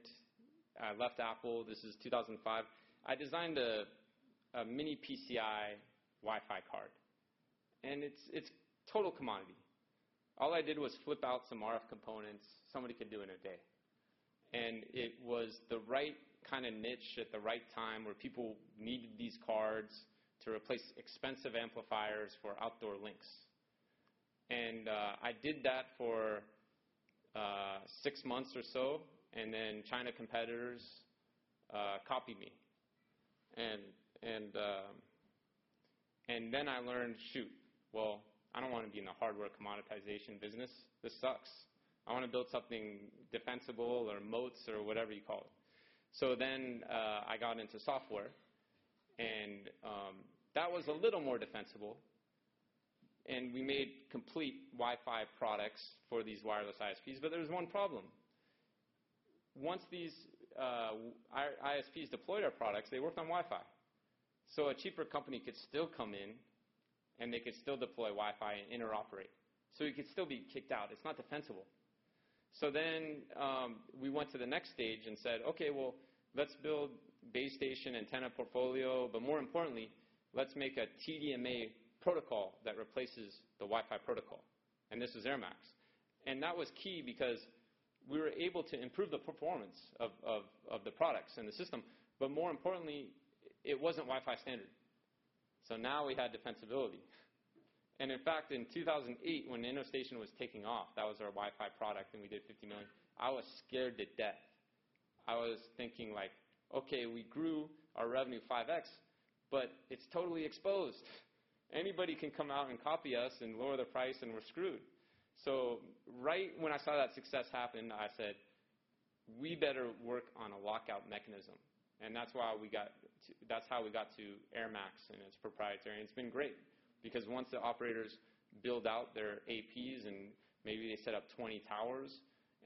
I left Apple. This is 2005. I designed a mini PCI Wi-Fi card. And it's total commodity. All I did was flip out some RF components. Somebody could do it in a day. It was the right kind of niche at the right time where people needed these cards to replace expensive amplifiers for outdoor links. I did that for six months or so, and then China competitors copied me. I learned, "Shoot. I don't want to be in the hardware commoditization business. This sucks. I want to build something defensible or motes or whatever you call it." I got into software, and that was a little more defensible. We made complete Wi-Fi products for these wireless ISPs, but there was one problem. Once these ISPs deployed our products, they worked on Wi-Fi. A cheaper company could still come in, and they could still deploy Wi-Fi and interoperate. It could still be kicked out. It's not defensible. We went to the next stage and said, "Okay. Let's build base station antenna portfolio, but more importantly, let's make a TDMA protocol that replaces the Wi-Fi protocol." This was airMAX. That was key because we were able to improve the performance of the products and the system. More importantly, it wasn't Wi-Fi standard. Now we had defensibility. In fact, in 2008, when NanoStation was taking off, that was our Wi-Fi product, and we did $50 million. I was scared to death. I was thinking like, "Okay. We grew our revenue 5X, but it's totally exposed. Anybody can come out and copy us and lower the price, and we're screwed. Right when I saw that success happen, I said, "We better work on a lockout mechanism." That is how we got to airMAX and its proprietary. It has been great because once the operators build out their APs and maybe they set up 20 towers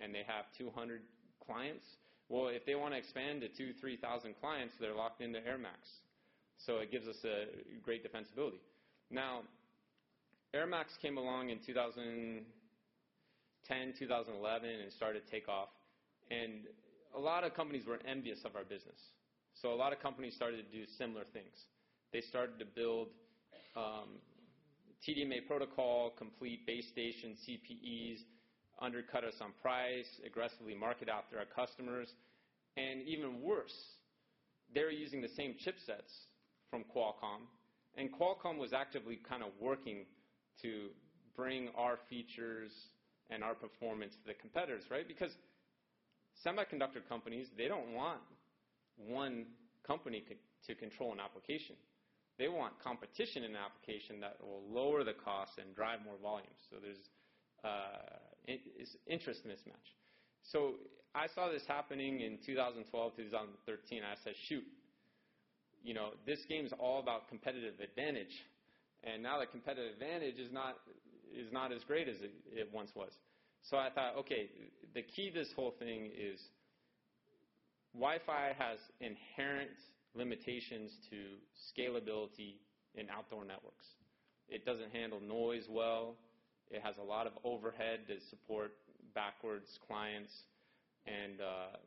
and they have 200 clients, if they want to expand to 2,000, 3,000 clients, they are locked into airMAX. It gives us a great defensibility. airMAX came along in 2010, 2011, and started to take off. A lot of companies were envious of our business. A lot of companies started to do similar things. They started to build TDMA protocol, complete base station CPEs, undercut us on price, aggressively market out to our customers. Even worse, they are using the same chipsets from Qualcomm. Qualcomm was actively kind of working to bring our features and our performance to the competitors, right? Because semiconductor companies, they do not want one company to control an application. They want competition in an application that will lower the cost and drive more volume. There is interest mismatch. I saw this happening in 2012 to 2013. I said, "Shoot. This game is all about competitive advantage." Now the competitive advantage is not as great as it once was. I thought, "Okay. The key to this whole thing is Wi-Fi has inherent limitations to scalability in outdoor networks. It does not handle noise well. It has a lot of overhead to support backwards clients.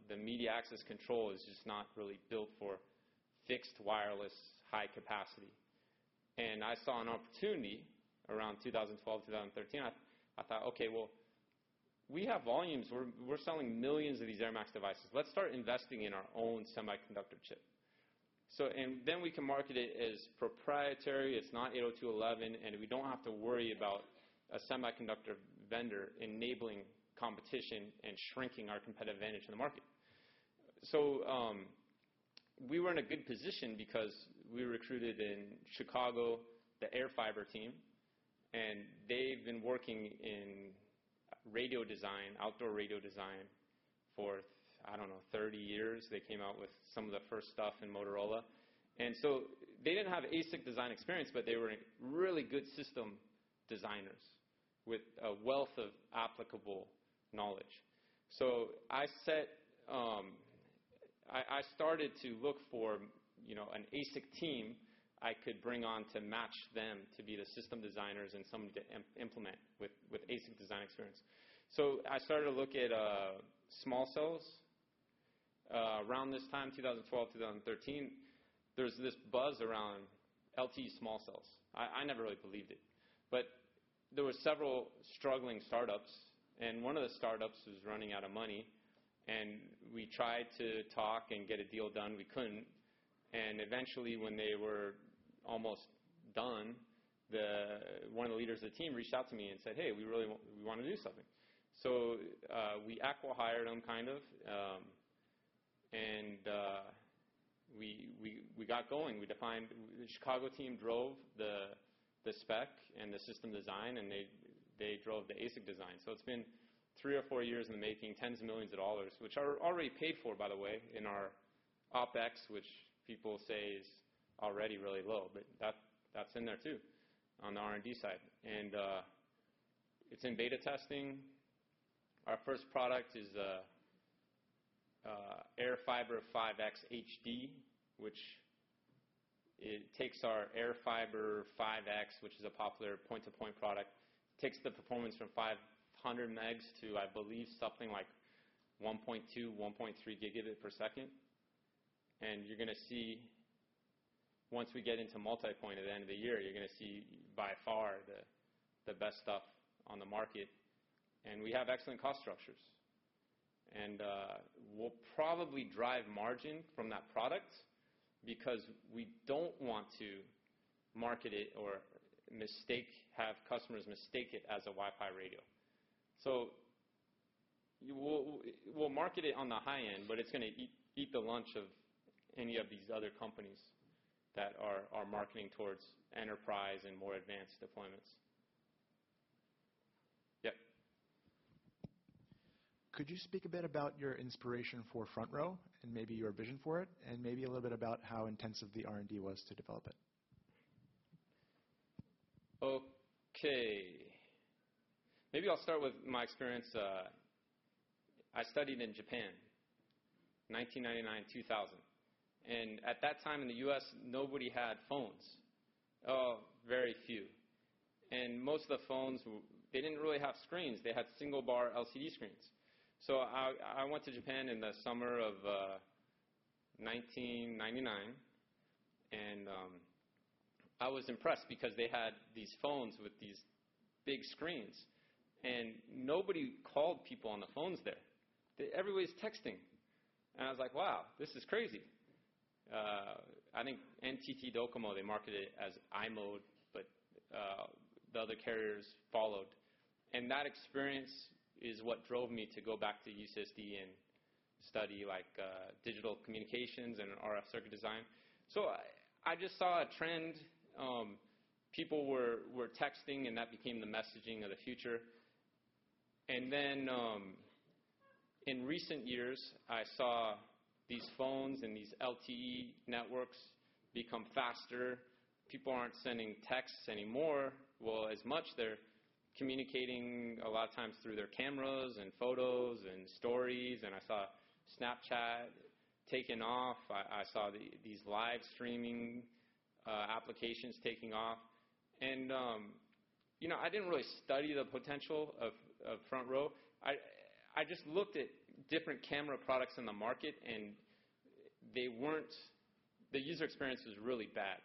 The media access control is just not really built for fixed wireless high capacity." I saw an opportunity around 2012, 2013. I thought, "Okay. We have volumes. We're selling millions of these airMAX devices. Let's start investing in our own semiconductor chip. Then we can market it as proprietary. It's not 802.11, and we don't have to worry about a semiconductor vendor enabling competition and shrinking our competitive advantage in the market. We were in a good position because we recruited in Chicago the airFiber team, and they've been working in radio design, outdoor radio design for, I don't know, 30 years. They came out with some of the first stuff in Motorola. They didn't have ASIC design experience, but they were really good system designers with a wealth of applicable knowledge. I started to look for an ASIC team I could bring on to match them to be the system designers and some to implement with ASIC design experience. I started to look at small cells. Around this time, 2012, 2013, there was this buzz around LTE small cells. I never really believed it. There were several struggling startups, and one of the startups was running out of money. We tried to talk and get a deal done. We could not. Eventually, when they were almost done, one of the leaders of the team reached out to me and said, "Hey, we want to do something." We acquired them kind of, and we got going. The Chicago team drove the spec and the system design, and they drove the ASIC design. It has been three or four years in the making, tens of millions of dollars, which are already paid for, by the way, in our OpEx, which people say is already really low, but that is in there too on the R&D side. It is in beta testing. Our first product is airFiber 5X HD, which takes our airFiber 5X, which is a popular point-to-point product, takes the performance from 500 Mb to, I believe, something like 1.2-1.3 Gb per second. You are going to see once we get into multipoint at the end of the year, you are going to see by far the best stuff on the market. We have excellent cost structures. We will probably drive margin from that product because we do not want to market it or have customers mistake it as a Wi-Fi radio. We will market it on the high end, but it is going to eat the lunch of any of these other companies that are marketing towards enterprise and more advanced deployments. Yep. Could you speak a bit about your inspiration for Front Row and maybe your vision for it, and maybe a little bit about how intensive the R&D was to develop it? Okay. Maybe I'll start with my experience. I studied in Japan, 1999, 2000. At that time in the U.S., nobody had phones. Oh, very few. Most of the phones, they didn't really have screens. They had single-bar LCD screens. I went to Japan in the summer of 1999, and I was impressed because they had these phones with these big screens. Nobody called people on the phones there. Everybody's texting. I was like, "Wow, this is crazy." I think NTT Docomo, they marketed it as iMode, but the other carriers followed. That experience is what drove me to go back to UCSD and study digital communications and RF circuit design. I just saw a trend. People were texting, and that became the messaging of the future. In recent years, I saw these phones and these LTE networks become faster. People are not sending texts anymore. As much, they are communicating a lot of times through their cameras and photos and stories. I saw Snapchat taking off. I saw these live streaming applications taking off. I did not really study the potential of Front Row. I just looked at different camera products in the market, and the user experience was really bad.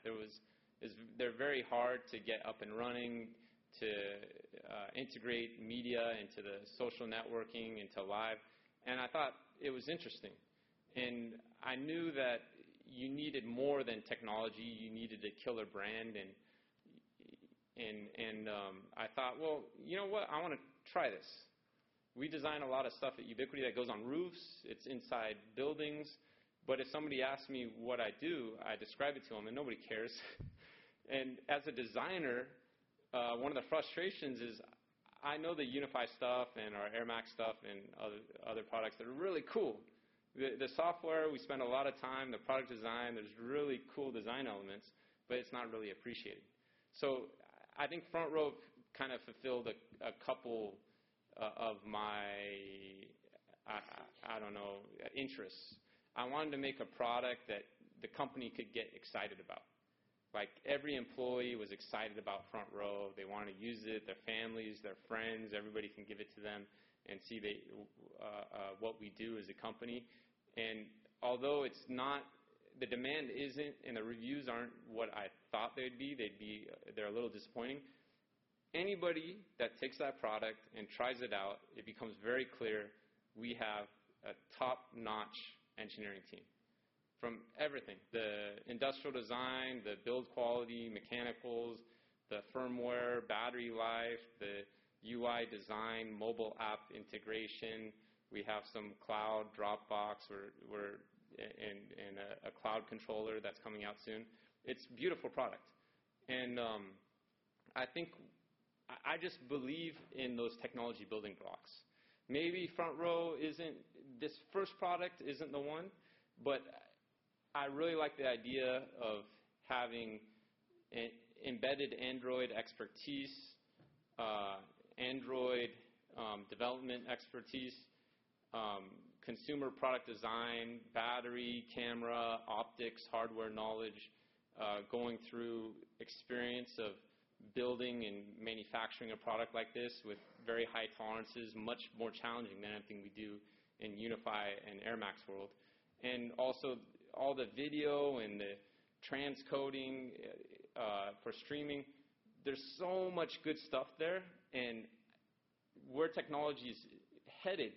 They are very hard to get up and running, to integrate media into the social networking, into live. I thought it was interesting. I knew that you needed more than technology. You needed a killer brand. I thought, "You know what? I want to try this." We design a lot of stuff at Ubiquiti that goes on roofs. It is inside buildings. If somebody asked me what I do, I describe it to them, and nobody cares. As a designer, one of the frustrations is I know the UniFi stuff and our airMAX stuff and other products that are really cool. The software, we spend a lot of time. The product design, there are really cool design elements, but it is not really appreciated. I think Front Row kind of fulfilled a couple of my, I do not know, interests. I wanted to make a product that the company could get excited about. Every employee was excited about Front Row. They wanted to use it. Their families, their friends, everybody can give it to them and see what we do as a company. Although the demand is not and the reviews are not what I thought they would be, they are a little disappointing. Anybody that takes that product and tries it out, it becomes very clear we have a top-notch engineering team from everything: the industrial design, the build quality, mechanicals, the firmware, battery life, the UI design, mobile app integration. We have some cloud Dropbox and a cloud controller that's coming out soon. It's a beautiful product. I just believe in those technology building blocks. Maybe Front Row isn't this first product isn't the one, but I really like the idea of having embedded Android expertise, Android development expertise, consumer product design, battery, camera, optics, hardware knowledge, going through experience of building and manufacturing a product like this with very high tolerances, much more challenging than anything we do in UniFi and airMAX world. Also all the video and the transcoding for streaming. There's so much good stuff there. Where technology is headed,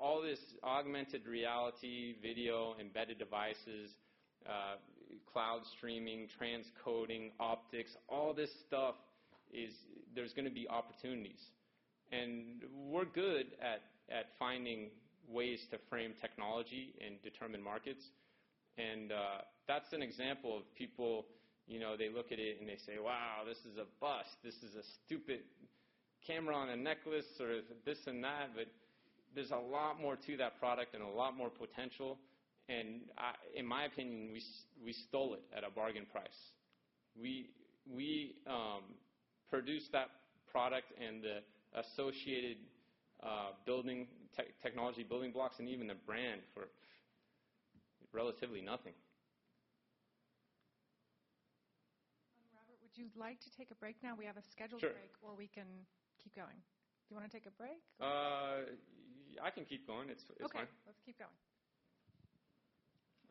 all this augmented reality, video, embedded devices, cloud streaming, transcoding, optics, all this stuff, there's going to be opportunities. We're good at finding ways to frame technology and determine markets. That's an example of people, they look at it and they say, "Wow, this is a bust. This is a stupid camera on a necklace or this and that." There's a lot more to that product and a lot more potential. In my opinion, we stole it at a bargain price. We produced that product and the associated technology building blocks and even the brand for relatively nothing. Robert, would you like to take a break now? We have a scheduled break, or we can keep going. Do you want to take a break? I can keep going. It's fine. Okay. Let's keep going.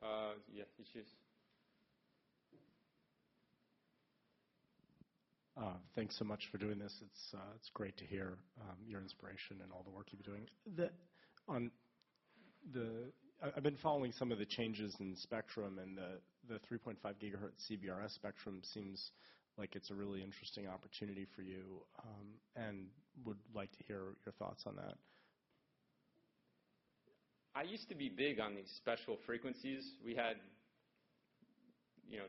Yeah. You choose. Thanks so much for doing this. It's great to hear your inspiration and all the work you've been doing. I've been following some of the changes in spectrum, and the 3.5 GHz CBRS spectrum seems like it's a really interesting opportunity for you and would like to hear your thoughts on that. I used to be big on these special frequencies. We had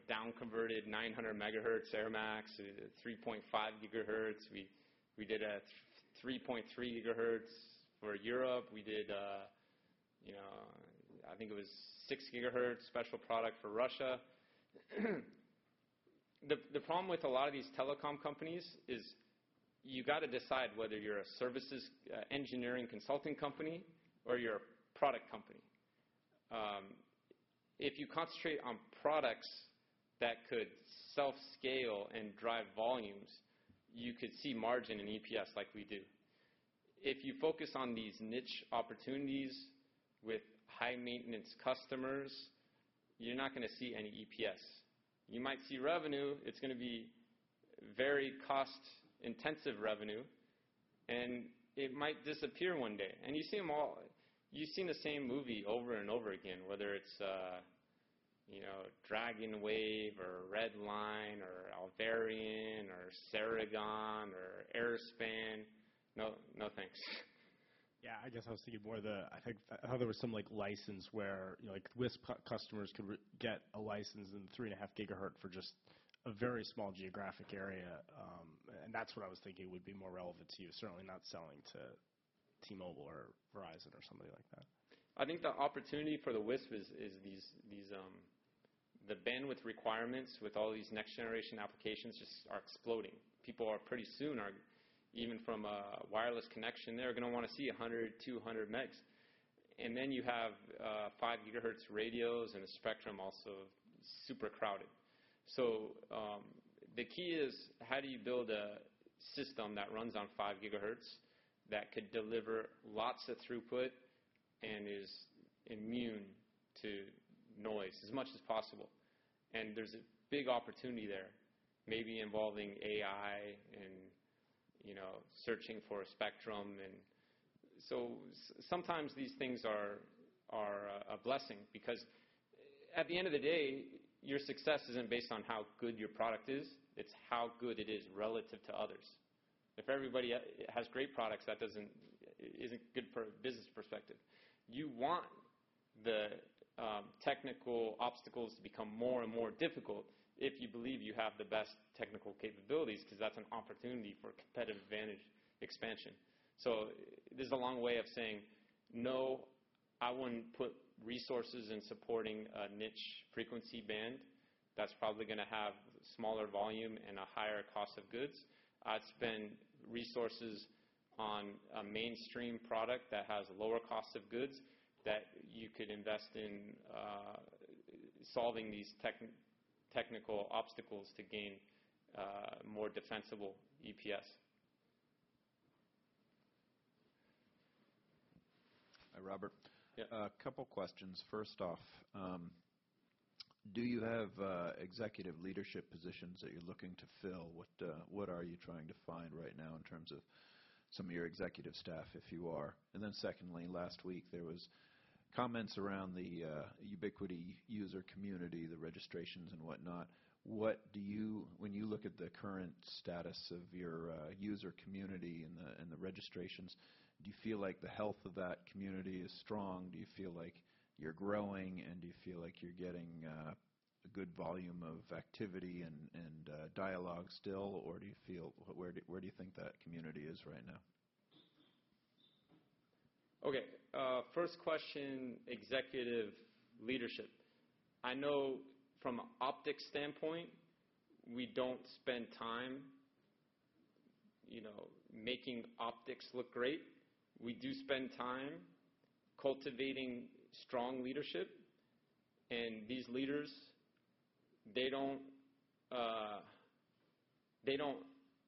down-converted 900 MHz airMAX, 3.5 GHz. We did a 3.3 GHz for Europe. We did, I think it was 6 GHz special product for Russia. The problem with a lot of these telecom companies is you got to decide whether you're a services engineering consulting company or you're a product company. If you concentrate on products that could self-scale and drive volumes, you could see margin and EPS like we do. If you focus on these niche opportunities with high-maintenance customers, you're not going to see any EPS. You might see revenue. It's going to be very cost-intensive revenue, and it might disappear one day. You see them all. You've seen the same movie over and over again, whether it's DragonWave or Redline or Alvarion or Ceragon or Airspan. No, thanks. Yeah. I guess I was thinking more of the I think I thought there was some license where WISP customers could get a license in 3.5 GHz for just a very small geographic area. That is what I was thinking would be more relevant to you. Certainly not selling to T-Mobile or Verizon or somebody like that. I think the opportunity for the WISP is the bandwidth requirements with all these next-generation applications just are exploding. People pretty soon, even from a wireless connection, they're going to want to see 100, 200 Mb. Then you have 5 GHz radios and a spectrum also super crowded. The key is how do you build a system that runs on 5 GHz that could deliver lots of throughput and is immune to noise as much as possible? There is a big opportunity there, maybe involving AI and searching for a spectrum. Sometimes these things are a blessing because at the end of the day, your success isn't based on how good your product is. It's how good it is relative to others. If everybody has great products, that isn't good from a business perspective. You want the technical obstacles to become more and more difficult if you believe you have the best technical capabilities because that's an opportunity for competitive advantage expansion. There is a long way of saying, "No, I wouldn't put resources in supporting a niche frequency band that's probably going to have smaller volume and a higher cost of goods." I'd spend resources on a mainstream product that has a lower cost of goods that you could invest in solving these technical obstacles to gain more defensible EPS. Hi, Robert. A couple of questions. First off, do you have executive leadership positions that you're looking to fill? What are you trying to find right now in terms of some of your executive staff, if you are? Secondly, last week, there were comments around the Ubiquiti user community, the registrations and whatnot. When you look at the current status of your user community and the registrations, do you feel like the health of that community is strong? Do you feel like you're growing? Do you feel like you're getting a good volume of activity and dialogue still? Where do you think that community is right now? Okay. First question, executive leadership. I know from an optics standpoint, we don't spend time making optics look great. We do spend time cultivating strong leadership. And these leaders, they don't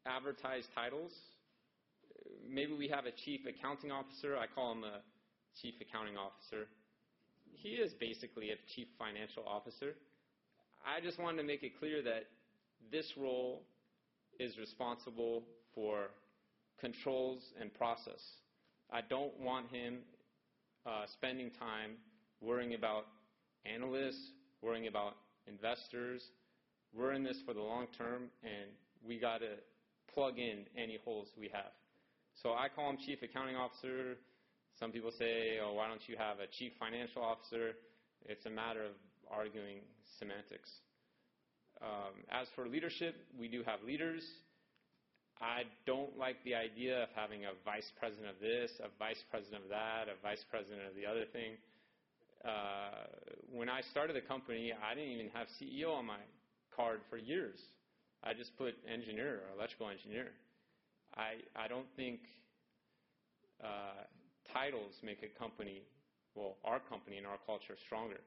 advertise titles. Maybe we have a Chief Accounting Officer. I call him a Chief Accounting Officer. He is basically a Chief Financial Officer. I just wanted to make it clear that this role is responsible for controls and process. I don't want him spending time worrying about analysts, worrying about investors. We're in this for the long term, and we got to plug in any holes we have. So I call him Chief Accounting Officer. Some people say, "Oh, why don't you have a Chief Financial Officer?" It's a matter of arguing semantics. As for leadership, we do have leaders. I don't like the idea of having a vice president of this, a vice president of that, a vice president of the other thing. When I started the company, I didn't even have CEO on my card for years. I just put engineer or electrical engineer. I don't think titles make a company, well, our company and our culture stronger.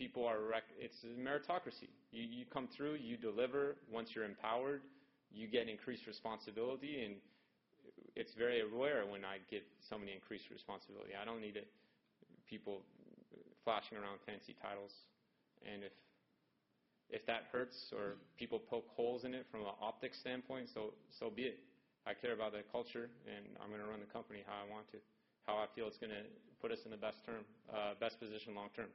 It's a meritocracy. You come through, you deliver. Once you're empowered, you get increased responsibility. It's very rare when I get so many increased responsibility. I don't need people flashing around fancy titles. If that hurts or people poke holes in it from an optics standpoint, so be it. I care about the culture, and I'm going to run the company how I want to, how I feel it's going to put us in the best position long term.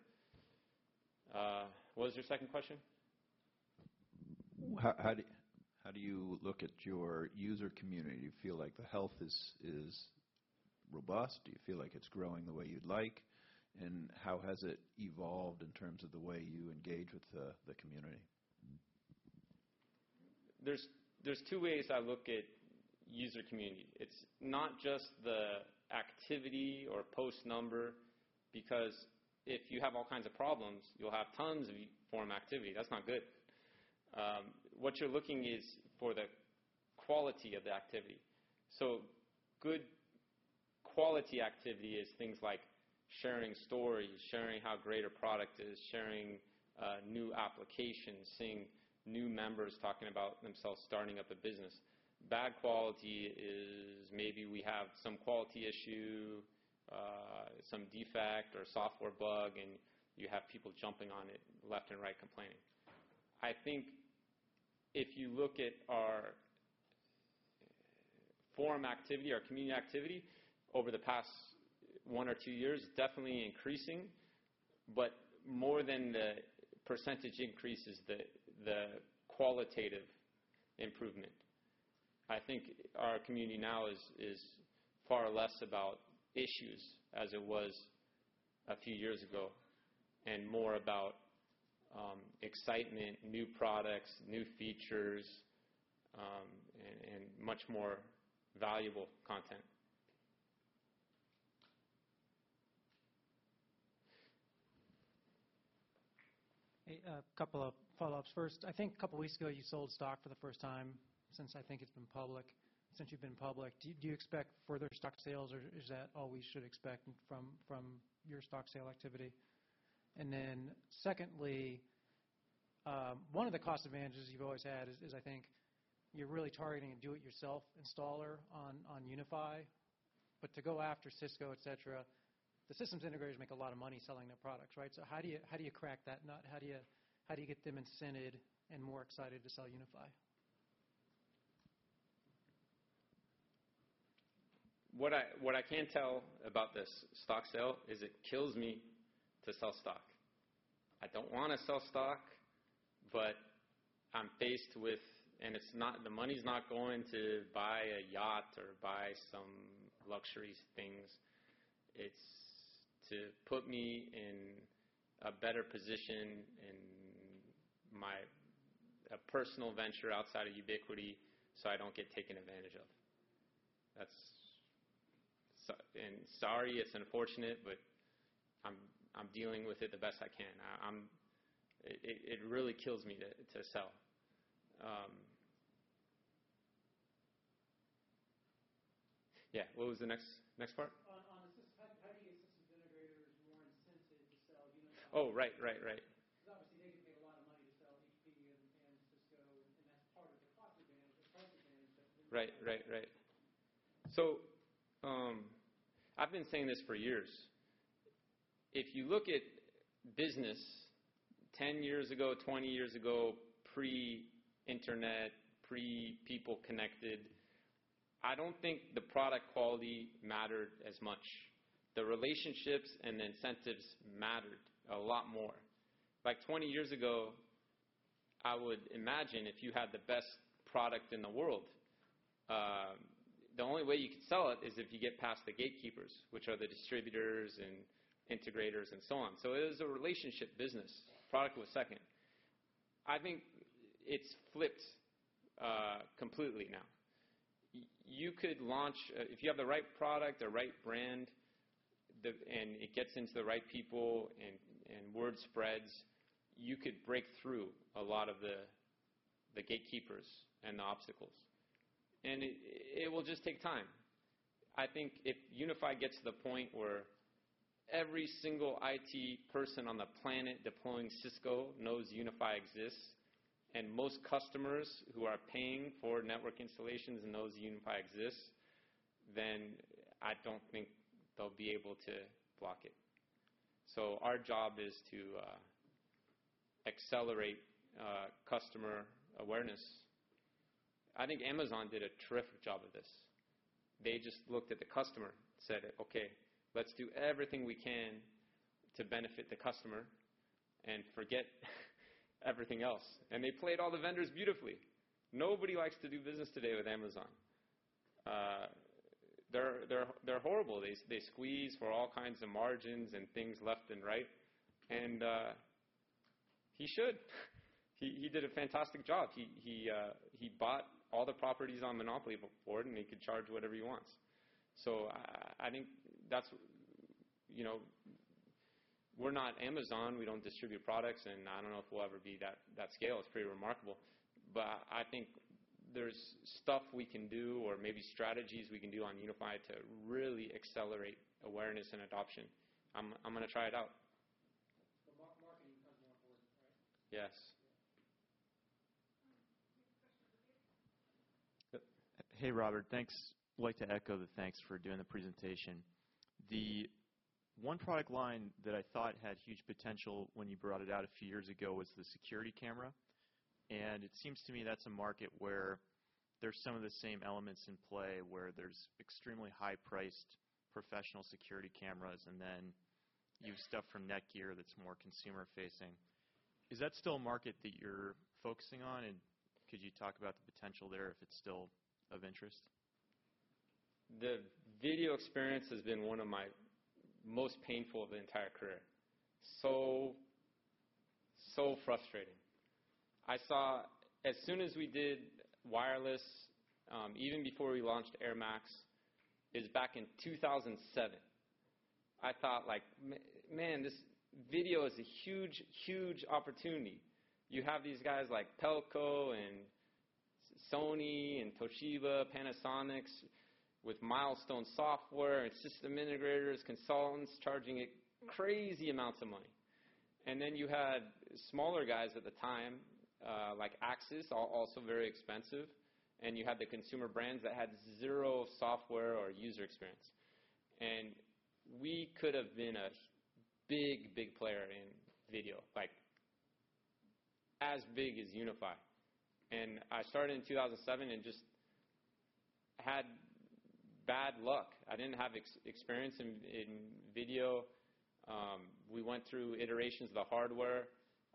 What was your second question? How do you look at your user community? Do you feel like the health is robust? Do you feel like it's growing the way you'd like? How has it evolved in terms of the way you engage with the community? are two ways I look at user community. It is not just the activity or post number because if you have all kinds of problems, you will have tons of forum activity. That is not good. What you are looking for is the quality of the activity. Good quality activity is things like sharing stories, sharing how great a product is, sharing new applications, seeing new members talking about themselves starting up a business. Bad quality is maybe we have some quality issue, some defect or software bug, and you have people jumping on it left and right complaining. I think if you look at our forum activity, our community activity over the past one or two years, it is definitely increasing, but more than the percentage increase is the qualitative improvement. I think our community now is far less about issues as it was a few years ago and more about excitement, new products, new features, and much more valuable content. A couple of follow-ups. First, I think a couple of weeks ago, you sold stock for the first time since I think it's been public, since you've been public. Do you expect further stock sales? Is that all we should expect from your stock sale activity? One of the cost advantages you've always had is I think you're really targeting a do-it-yourself installer on UniFi. To go after Cisco, etc., the systems integrators make a lot of money selling their products, right? How do you crack that nut? How do you get them incented and more excited to sell UniFi? What I can tell about this stock sale is it kills me to sell stock. I don't want to sell stock, but I'm faced with, and the money's not going to buy a yacht or buy some luxury things. It's to put me in a better position in a personal venture outside of Ubiquiti so I don't get taken advantage of. Sorry, it's unfortunate, but I'm dealing with it the best I can. It really kills me to sell. Yeah. What was the next part? On the system, how do you get systems integrators more incented to sell UniFi? Oh, right, right, right. Because obviously, they can make a lot of money to sell HP and Cisco, and that's part of the price advantage. Right, right, right. I've been saying this for years. If you look at business 10 years ago, 20 years ago, pre-internet, pre-people connected, I do not think the product quality mattered as much. The relationships and the incentives mattered a lot more. Like 20 years ago, I would imagine if you had the best product in the world, the only way you could sell it is if you get past the gatekeepers, which are the distributors and integrators and so on. It was a relationship business. Product was second. I think it has flipped completely now. You could launch if you have the right product, the right brand, and it gets into the right people and word spreads, you could break through a lot of the gatekeepers and the obstacles. It will just take time. I think if UniFi gets to the point where every single IT person on the planet deploying Cisco knows UniFi exists and most customers who are paying for network installations knows UniFi exists, then I do not think they will be able to block it. Our job is to accelerate customer awareness. I think Amazon did a terrific job of this. They just looked at the customer, said, "Okay, let's do everything we can to benefit the customer and forget everything else." They played all the vendors beautifully. Nobody likes to do business today with Amazon. They are horrible. They squeeze for all kinds of margins and things left and right. He should. He did a fantastic job. He bought all the properties on Monopoly board, and he could charge whatever he wants. I think we are not Amazon. We don't distribute products, and I don't know if we'll ever be that scale. It's pretty remarkable. I think there's stuff we can do or maybe strategies we can do on UniFi to really accelerate awareness and adoption. I'm going to try it out. Marketing becomes more important, right? Yes. Hey, Robert. Thanks. I'd like to echo the thanks for doing the presentation. The one product line that I thought had huge potential when you brought it out a few years ago was the security camera. It seems to me that's a market where there's some of the same elements in play where there's extremely high-priced professional security cameras and then you have stuff from Netgear that's more consumer-facing. Is that still a market that you're focusing on? Could you talk about the potential there if it's still of interest? The video experience has been one of my most painful of the entire career. So frustrating. As soon as we did wireless, even before we launched airMAX, it was back in 2007. I thought, "Man, this video is a huge, huge opportunity." You have these guys like Telco and Sony and Toshiba, Panasonic with milestone software and system integrators, consultants charging crazy amounts of money. You had smaller guys at the time like Axis, also very expensive. You had the consumer brands that had zero software or user experience. We could have been a big, big player in video, as big as UniFi. I started in 2007 and just had bad luck. I did not have experience in video. We went through iterations of the hardware.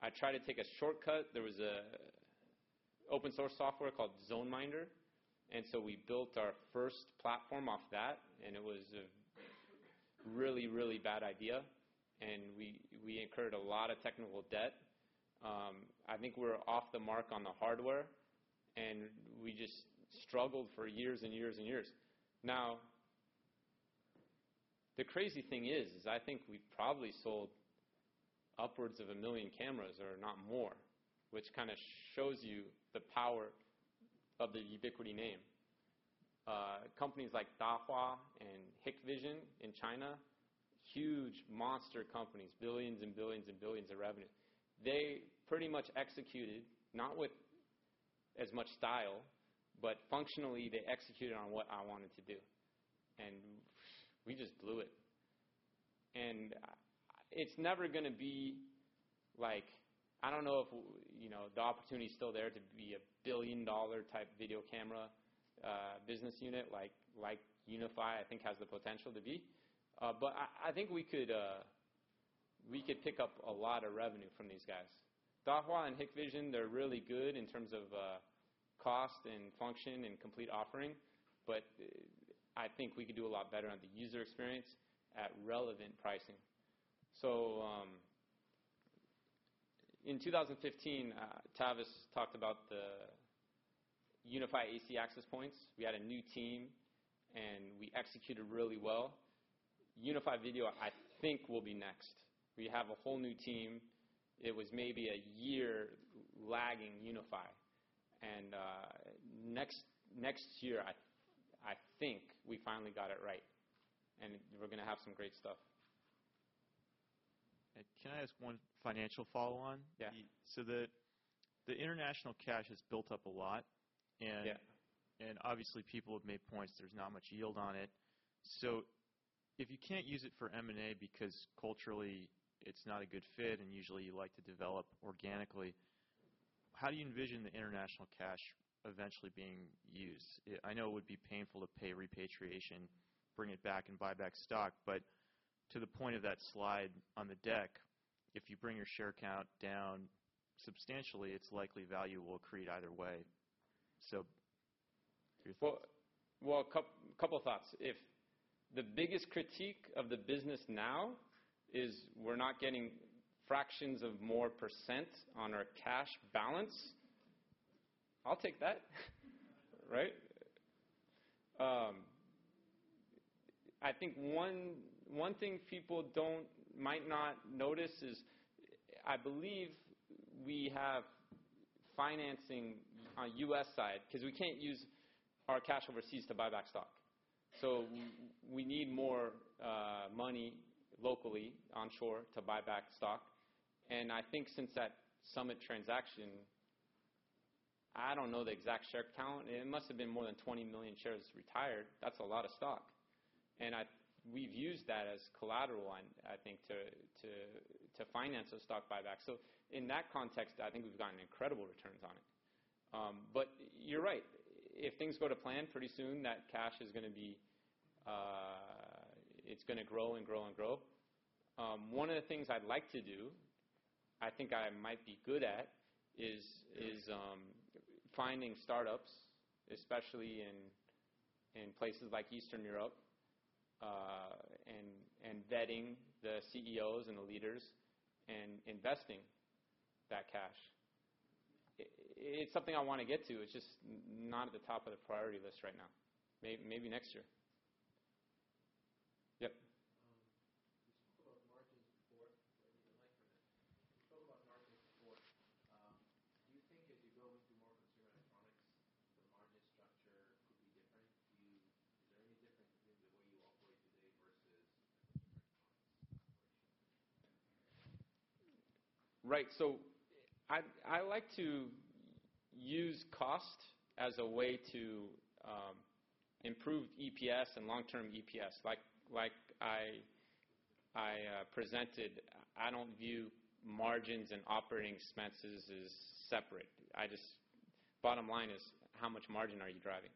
I tried to take a shortcut. There was an open-source software called ZoneMinder. We built our first platform off that. It was a really, really bad idea. We incurred a lot of technical debt. I think we were off the mark on the hardware. We just struggled for years and years and years. The crazy thing is I think we probably sold upwards of a million cameras, if not more, which kind of shows you the power of the Ubiquiti name. Companies like Dahua and Hikvision in China, huge monster companies, billions and billions and billions of revenue. They pretty much executed, not with as much style, but functionally, they executed on what I wanted to do. We just blew it. It's never going to be like, I do not know if the opportunity is still there to be a billion-dollar type video camera business unit like UniFi, I think, has the potential to be. I think we could pick up a lot of revenue from these guys. Dahua and Hikvision, they're really good in terms of cost and function and complete offering. I think we could do a lot better on the user experience at relevant pricing. In 2015, Travis talked about the UniFi AC access points. We had a new team, and we executed really well. UniFi Video, I think, will be next. We have a whole new team. It was maybe a year lagging UniFi. Next year, I think we finally got it right. We're going to have some great stuff. Can I ask one financial follow-on? Yeah. The international cash has built up a lot. Obviously, people have made points. There's not much yield on it. If you can't use it for M&A because culturally it's not a good fit and usually you like to develop organically, how do you envision the international cash eventually being used? I know it would be painful to pay repatriation, bring it back, and buy back stock. To the point of that slide on the deck, if you bring your share count down substantially, it's likely value will accrete either way. Your thought? A couple of thoughts. If the biggest critique of the business now is we're not getting fractions of more % on our cash balance, I'll take that, right? I think one thing people might not notice is I believe we have financing on the US side because we can't use our cash overseas to buy back stock. We need more money locally onshore to buy back stock. I think since that summit transaction, I don't know the exact share count. It must have been more than 20 million shares retired. That's a lot of stock. We've used that as collateral, I think, to finance a stock buyback. In that context, I think we've gotten incredible returns on it. You're right. If things go to plan pretty soon, that cash is going to be it's going to grow and grow and grow. One of the things I'd like to do, I think I might be good at, is finding startups, especially in places like Eastern Europe, and vetting the CEOs and the leaders and investing that cash. It's something I want to get to. It's just not at the top of the priority list right now. Maybe next year. Yep. You spoke about margins before. What do you like from it? You spoke about margins before. Do you think as you go into more consumer electronics, the margin structure could be different? Is there any difference between the way you operate today versus consumer electronics operation? Right. I like to use cost as a way to improve EPS and long-term EPS. Like I presented, I do not view margins and operating expenses as separate. Bottom line is how much margin are you driving?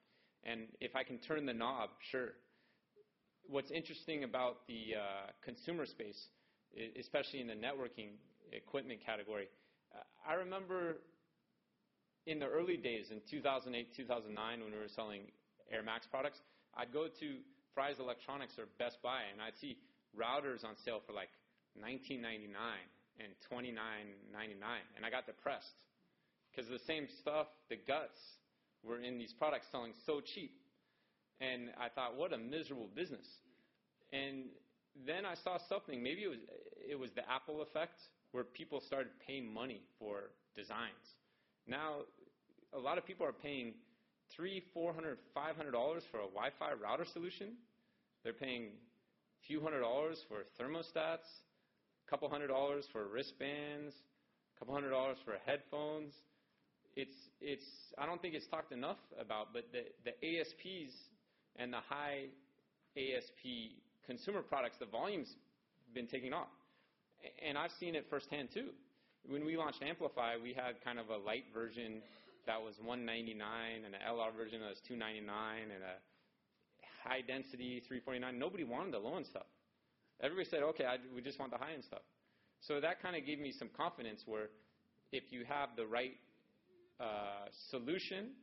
If I can turn the knob, sure. What's interesting about the consumer space, especially in the networking equipment category, I remember in the early days in 2008, 2009, when we were selling airMAX products, I would go to Fry's Electronics or Best Buy, and I would see routers on sale for like $19.99 and $29.99. I got depressed because the same stuff, the guts were in these products selling so cheap. I thought, "What a miserable business." Then I saw something. Maybe it was the Apple effect where people started paying money for designs. Now, a lot of people are paying $300, $400, $500 for a Wi-Fi router solution. They're paying a few hundred dollars for thermostats, a couple hundred dollars for wristbands, a couple hundred dollars for headphones. I don't think it's talked enough about, but the ASPs and the high ASP consumer products, the volume's been taking off. I've seen it firsthand too. When we launched Amplify, we had kind of a light version that was $199, and an LR version that was $299, and a high-density $349. Nobody wanted the low-end stuff. Everybody said, "Okay, we just want the high-end stuff." That kind of gave me some confidence where if you have the right solution,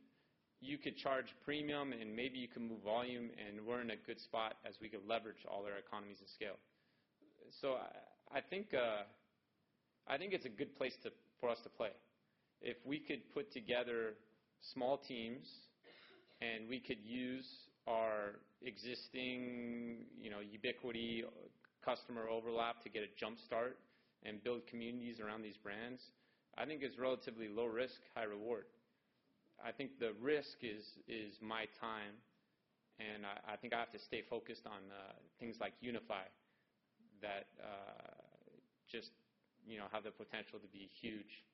you could charge premium and maybe you can move volume, and we're in a good spot as we can leverage all our economies of scale. I think it's a good place for us to play. If we could put together small teams and we could use our existing Ubiquiti customer overlap to get a jumpstart and build communities around these brands, I think it's relatively low risk, high reward. I think the risk is my time. I think I have to stay focused on things like UniFi that just have the potential to be huge.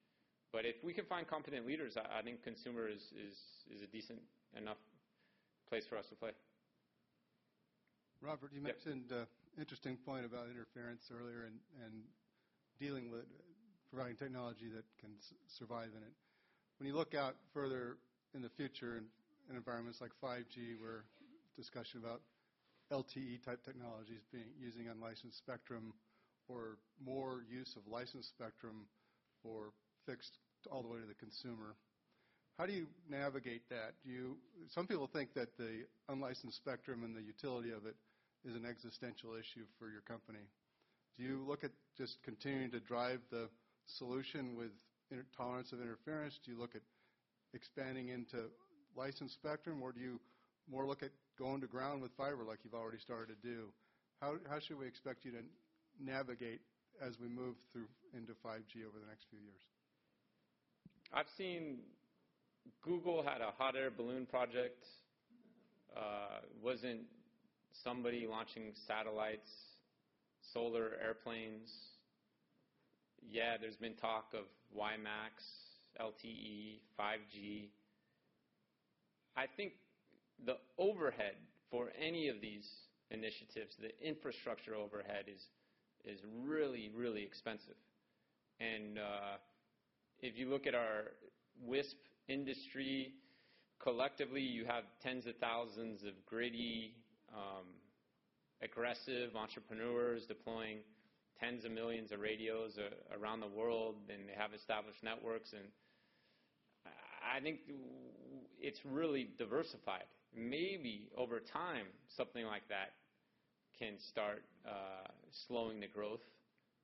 If we can find competent leaders, I think consumer is a decent enough place for us to play. Robert, you mentioned an interesting point about interference earlier and dealing with providing technology that can survive in it. When you look out further in the future in environments like 5G, where discussion about LTE type technologies being used on licensed spectrum or more use of licensed spectrum or fixed all the way to the consumer, how do you navigate that? Some people think that the unlicensed spectrum and the utility of it is an existential issue for your company. Do you look at just continuing to drive the solution with tolerance of interference? Do you look at expanding into licensed spectrum, or do you more look at going to ground with fiber like you've already started to do? How should we expect you to navigate as we move through into 5G over the next few years? I've seen Google had a hot air balloon project. It wasn't somebody launching satellites, solar airplanes. Yeah, there's been talk of WiMAX, LTE, 5G. I think the overhead for any of these initiatives, the infrastructure overhead is really, really expensive. If you look at our WISP industry, collectively, you have tens of thousands of gritty, aggressive entrepreneurs deploying tens of millions of radios around the world, and they have established networks. I think it's really diversified. Maybe over time, something like that can start slowing the growth.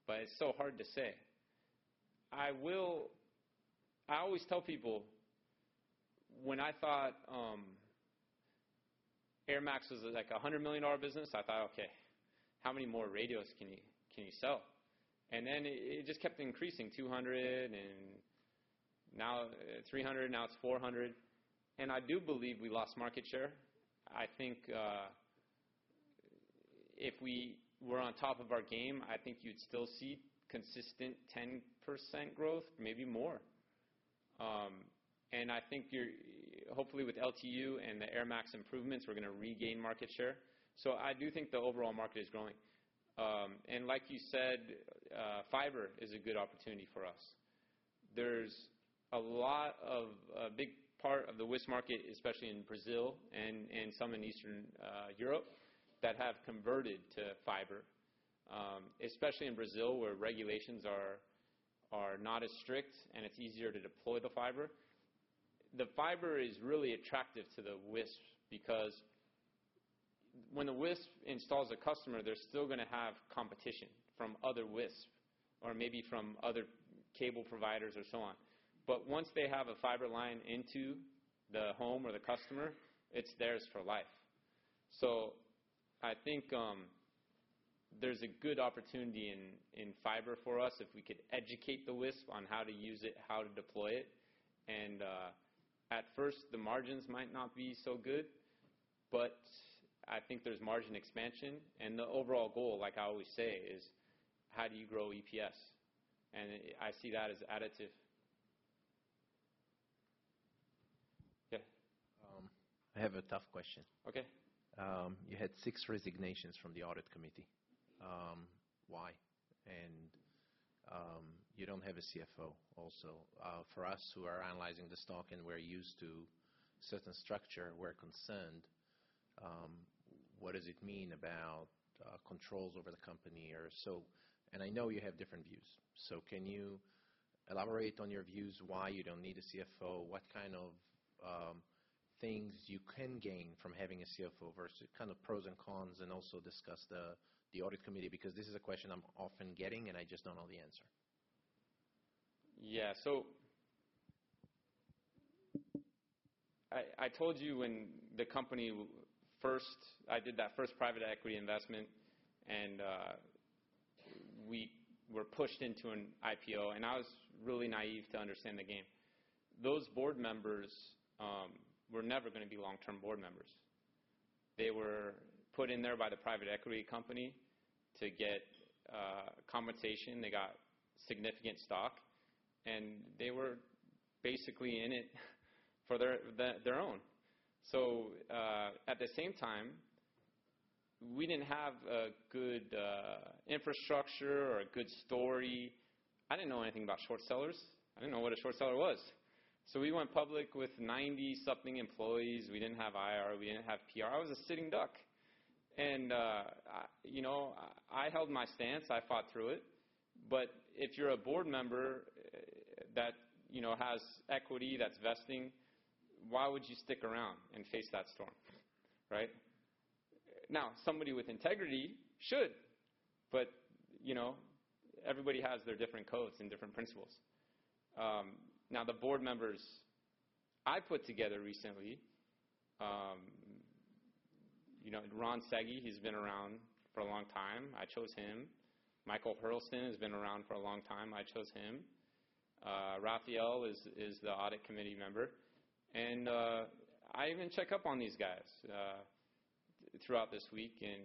It's so hard to say. I always tell people when I thought airMAX was like a $100 million business, I thought, "Okay, how many more radios can you sell?" It just kept increasing, $200 million, and now $300 million, now it's $400 million. I do believe we lost market share. I think if we were on top of our game, I think you'd still see consistent 10% growth, maybe more. I think hopefully with LTU and the airMAX improvements, we're going to regain market share. I do think the overall market is growing. Like you said, fiber is a good opportunity for us. There's a big part of the WISP market, especially in Brazil and some in Eastern Europe, that have converted to fiber, especially in Brazil where regulations are not as strict and it's easier to deploy the fiber. The fiber is really attractive to the WISP because when the WISP installs a customer, they're still going to have competition from other WISP or maybe from other cable providers or so on. Once they have a fiber line into the home or the customer, it's theirs for life. I think there's a good opportunity in fiber for us if we could educate the WISP on how to use it, how to deploy it. At first, the margins might not be so good, but I think there's margin expansion. The overall goal, like I always say, is how do you grow EPS? I see that as additive. Yeah. I have a tough question. Okay. You had six resignations from the audit committee. Why? You do not have a CFO also. For us who are analyzing the stock and we are used to certain structure, we are concerned. What does it mean about controls over the company? I know you have different views. Can you elaborate on your views, why you do not need a CFO, what kind of things you can gain from having a CFO versus kind of pros and cons, and also discuss the audit committee? This is a question I am often getting, and I just do not know the answer. Yeah. I told you when the company first I did that first private equity investment, and we were pushed into an IPO. I was really naive to understand the game. Those board members were never going to be long-term board members. They were put in there by the private equity company to get compensation. They got significant stock, and they were basically in it for their own. At the same time, we did not have a good infrastructure or a good story. I did not know anything about short sellers. I did not know what a short seller was. We went public with 90-something employees. We did not have IR. We did not have PR. I was a sitting duck. I held my stance. I fought through it. If you are a board member that has equity that is vesting, why would you stick around and face that storm, right? Now, somebody with integrity should. Everybody has their different codes and different principles. The board members I put together recently, Ron Sege, he's been around for a long time. I chose him. Michael Hurlston has been around for a long time. I chose him. Rafael is the audit committee member. I even checked up on these guys throughout this week. I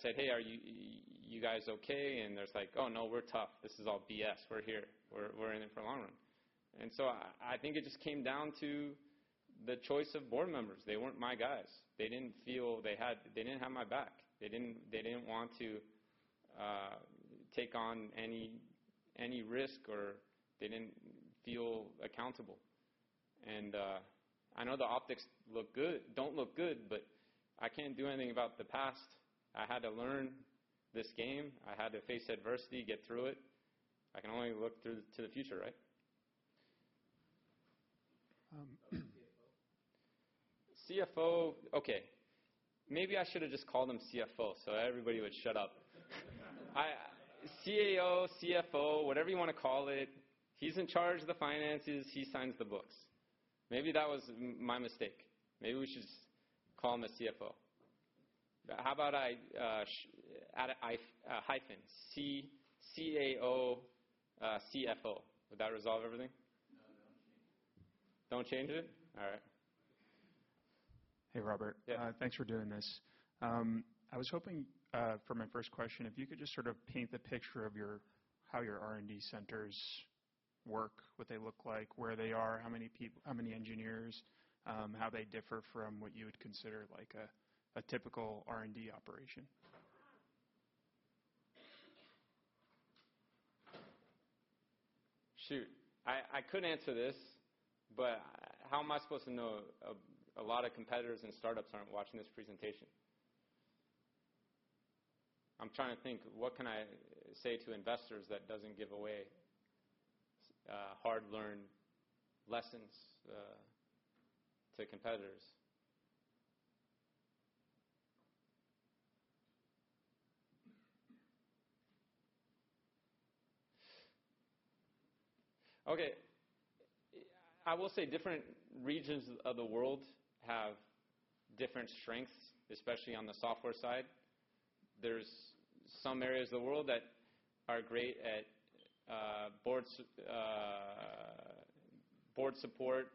said, "Hey, are you guys okay?" They're like, "Oh, no, we're tough. This is all BS. We're here. We're in it for the long run." I think it just came down to the choice of board members. They weren't my guys. They didn't feel they had my back. They didn't want to take on any risk or they didn't feel accountable. I know the optics don't look good, but I can't do anything about the past. I had to learn this game. I had to face adversity, get through it. I can only look to the future, right? CFO. CFO. Okay. Maybe I should have just called him CFO so everybody would shut up. CAO, CFO, whatever you want to call it. He's in charge of the finances. He signs the books. Maybe that was my mistake. Maybe we should just call him a CFO. How about I hyphen CAO, CFO? Would that resolve everything? No, don't change it. Don't change it? All right. Hey, Robert. Thanks for doing this. I was hoping for my first question, if you could just sort of paint the picture of how your R&D centers work, what they look like, where they are, how many engineers, how they differ from what you would consider a typical R&D operation. Shoot. I could answer this, but how am I supposed to know a lot of competitors and startups aren't watching this presentation? I'm trying to think what can I say to investors that doesn't give away hard-learned lessons to competitors. Okay. I will say different regions of the world have different strengths, especially on the software side. There's some areas of the world that are great at board support,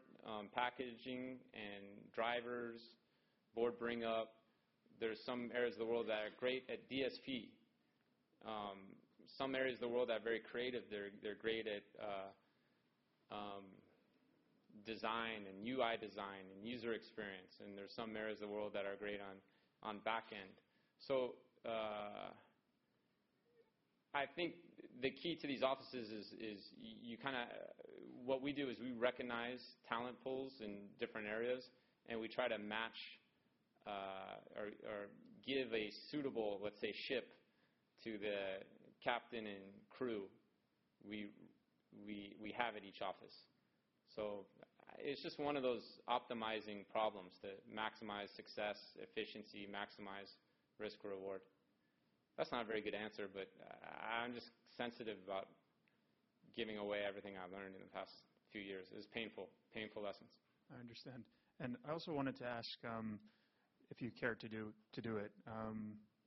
packaging, and drivers, board bring-up. There's some areas of the world that are great at DSP. Some areas of the world that are very creative, they're great at design and UI design and user experience. There's some areas of the world that are great on backend. I think the key to these offices is you kind of what we do is we recognize talent pools in different areas, and we try to match or give a suitable, let's say, ship to the captain and crew we have at each office. It is just one of those optimizing problems to maximize success, efficiency, maximize risk-reward. That is not a very good answer, but I am just sensitive about giving away everything I have learned in the past few years. It is painful, painful lessons. I understand. I also wanted to ask if you care to do it.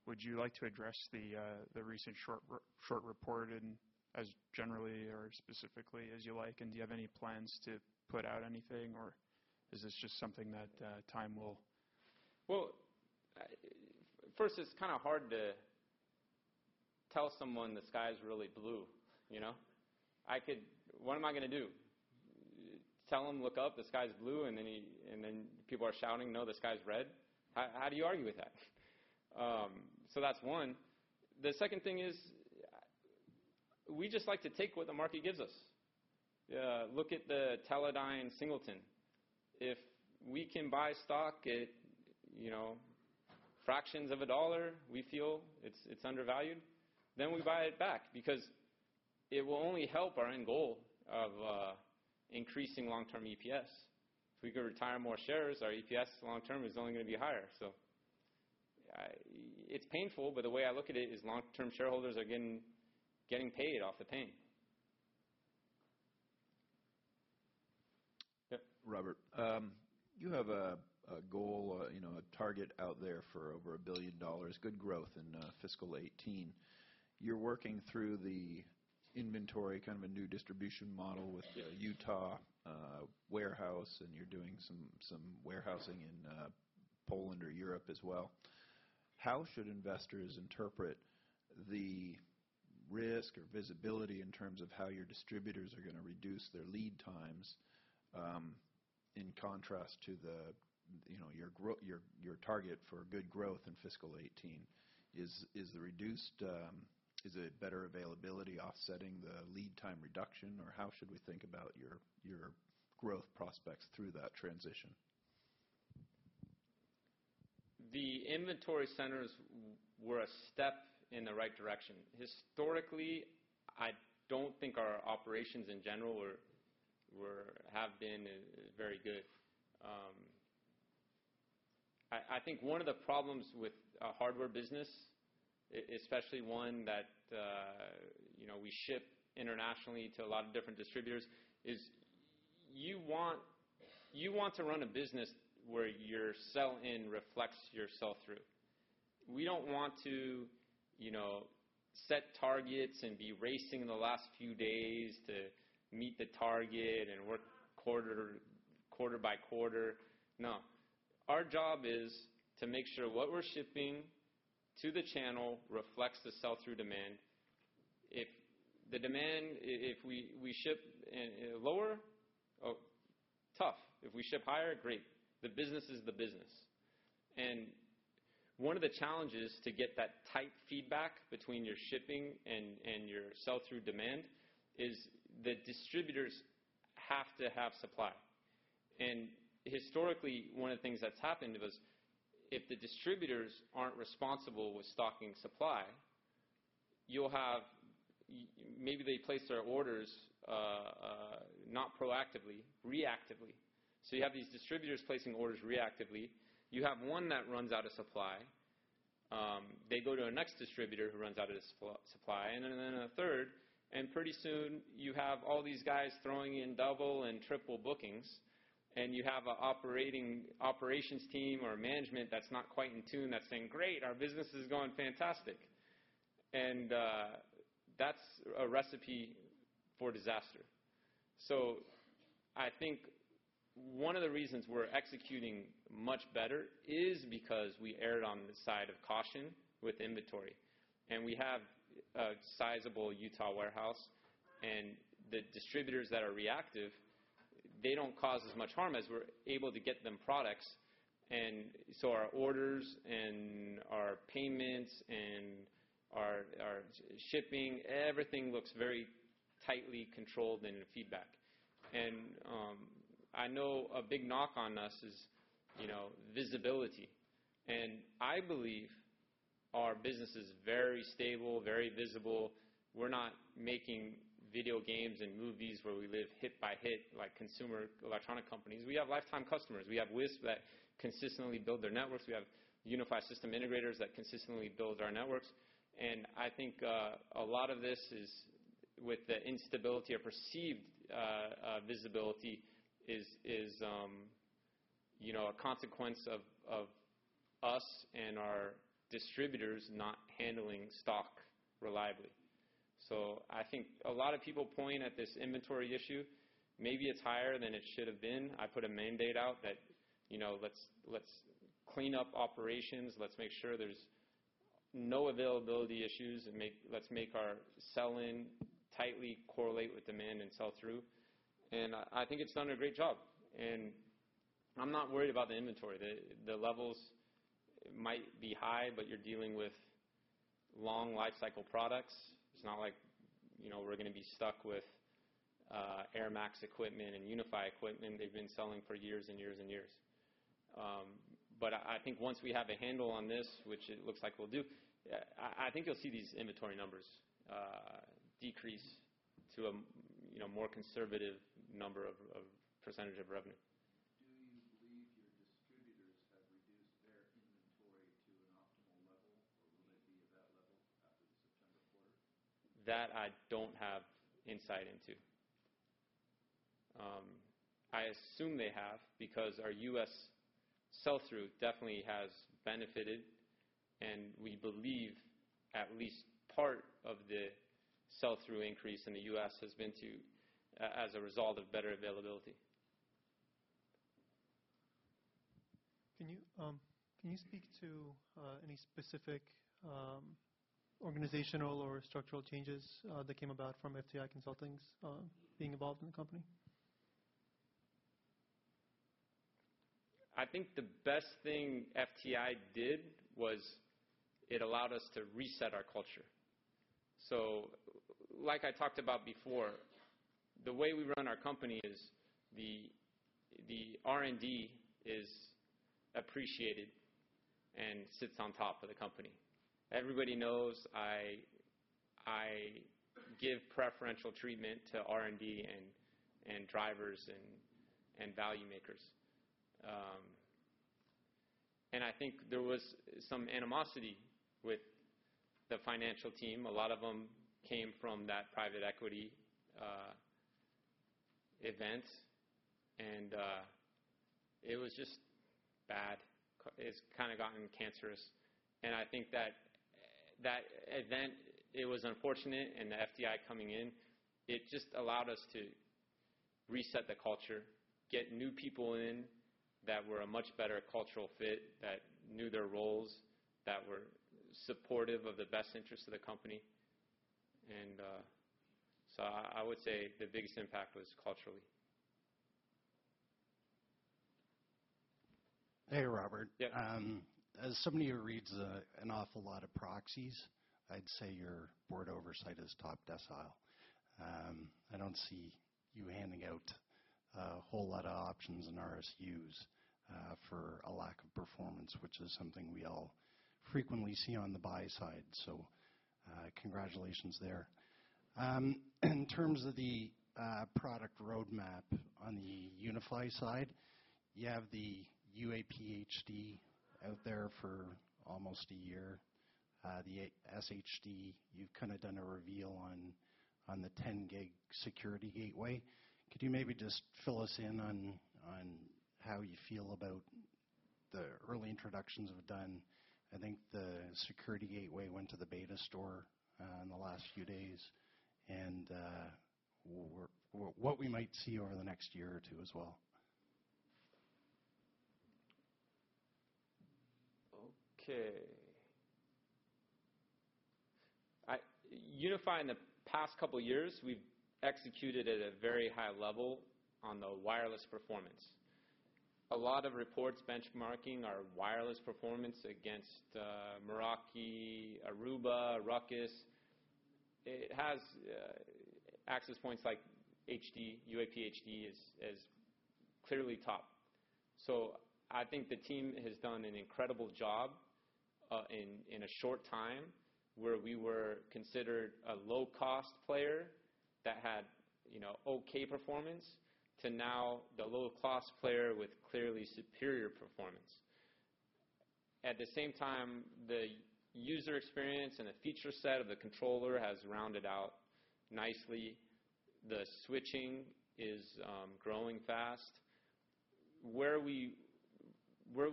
Would you like to address the recent short report as generally or specifically as you like? Do you have any plans to put out anything, or is this just something that time will? First, it's kind of hard to tell someone the sky is really blue. What am I going to do? Tell them, "Look up, the sky is blue," and then people are shouting, "No, the sky is red." How do you argue with that? That is one. The second thing is we just like to take what the market gives us. Look at the Teledyne's Singleton. If we can buy stock at fractions of a dollar, we feel it's undervalued, then we buy it back because it will only help our end goal of increasing long-term EPS. If we could retire more shares, our EPS long-term is only going to be higher. It's painful, but the way I look at it is long-term shareholders are getting paid off the pain. Yeah. Robert, you have a goal, a target out there for over $1 billion, good growth in fiscal 2018. You're working through the inventory, kind of a new distribution model with the Utah warehouse, and you're doing some warehousing in Poland or Europe as well. How should investors interpret the risk or visibility in terms of how your distributors are going to reduce their lead times in contrast to your target for good growth in fiscal 2018? Is the reduced, is it better availability offsetting the lead time reduction, or how should we think about your growth prospects through that transition? The inventory centers were a step in the right direction. Historically, I don't think our operations in general have been very good. I think one of the problems with a hardware business, especially one that we ship internationally to a lot of different distributors, is you want to run a business where your sell-in reflects your sell-through. We don't want to set targets and be racing the last few days to meet the target and work quarter by quarter. No. Our job is to make sure what we're shipping to the channel reflects the sell-through demand. If the demand, if we ship lower, tough. If we ship higher, great. The business is the business. One of the challenges to get that tight feedback between your shipping and your sell-through demand is the distributors have to have supply. Historically, one of the things that's happened was if the distributors aren't responsible with stocking supply, you'll have maybe they place their orders not proactively, reactively. You have these distributors placing orders reactively. You have one that runs out of supply. They go to a next distributor who runs out of supply, and then a third. Pretty soon, you have all these guys throwing in double and triple bookings, and you have an operations team or management that's not quite in tune that's saying, "Great, our business is going fantastic." That's a recipe for disaster. I think one of the reasons we're executing much better is because we erred on the side of caution with inventory. We have a sizable Utah warehouse. The distributors that are reactive, they don't cause as much harm as we're able to get them products. Our orders and our payments and our shipping, everything looks very tightly controlled and in feedback. I know a big knock on us is visibility. I believe our business is very stable, very visible. We're not making video games and movies where we live hit by hit like consumer electronic companies. We have lifetime customers. We have WISP that consistently build their networks. We have UniFi System Integrators that consistently build our networks. I think a lot of this with the instability or perceived visibility is a consequence of us and our distributors not handling stock reliably. I think a lot of people point at this inventory issue. Maybe it's higher than it should have been. I put a mandate out that let's clean up operations. Let's make sure there's no availability issues. Let's make our sell-in tightly correlate with demand and sell-through. I think it's done a great job. I'm not worried about the inventory. The levels might be high, but you're dealing with long lifecycle products. It's not like we're going to be stuck with airMAX equipment and UniFi equipment they've been selling for years and years and years. I think once we have a handle on this, which it looks like we'll do, I think you'll see these inventory numbers decrease to a more conservative number of % of revenue. Do you believe your distributors have reduced their inventory to an optimal level, or will it be at that level after the September quarter? That I don't have insight into. I assume they have because our U.S. sell-through definitely has benefited. We believe at least part of the sell-through increase in the U.S. has been as a result of better availability. Can you speak to any specific organizational or structural changes that came about from FTI Consulting being involved in the company? I think the best thing FTI did was it allowed us to reset our culture. Like I talked about before, the way we run our company is the R&D is appreciated and sits on top of the company. Everybody knows I give preferential treatment to R&D and drivers and value makers. I think there was some animosity with the financial team. A lot of them came from that private equity event. It was just bad. It has kind of gotten cancerous. I think that event, it was unfortunate. The FTI coming in, it just allowed us to reset the culture, get new people in that were a much better cultural fit, that knew their roles, that were supportive of the best interests of the company. I would say the biggest impact was culturally. Hey, Robert. As somebody who reads an awful lot of proxies, I'd say your board oversight is top decile. I don't see you handing out a whole lot of options and RSUs for a lack of performance, which is something we all frequently see on the buy side. Congratulations there. In terms of the product roadmap on the UniFi side, you have the UAPHD out there for almost a year. The SHD, you've kind of done a reveal on the 10-gig security gateway. Could you maybe just fill us in on how you feel about the early introductions we've done? I think the security gateway went to the beta store in the last few days. What we might see over the next year or two as well. Okay. UniFi, in the past couple of years, we've executed at a very high level on the wireless performance. A lot of reports benchmarking our wireless performance against Meraki, Aruba, Ruckus. It has access points like UAPHD as clearly top. I think the team has done an incredible job in a short time where we were considered a low-cost player that had okay performance to now the low-cost player with clearly superior performance. At the same time, the user experience and the feature set of the controller has rounded out nicely. The switching is growing fast. Where we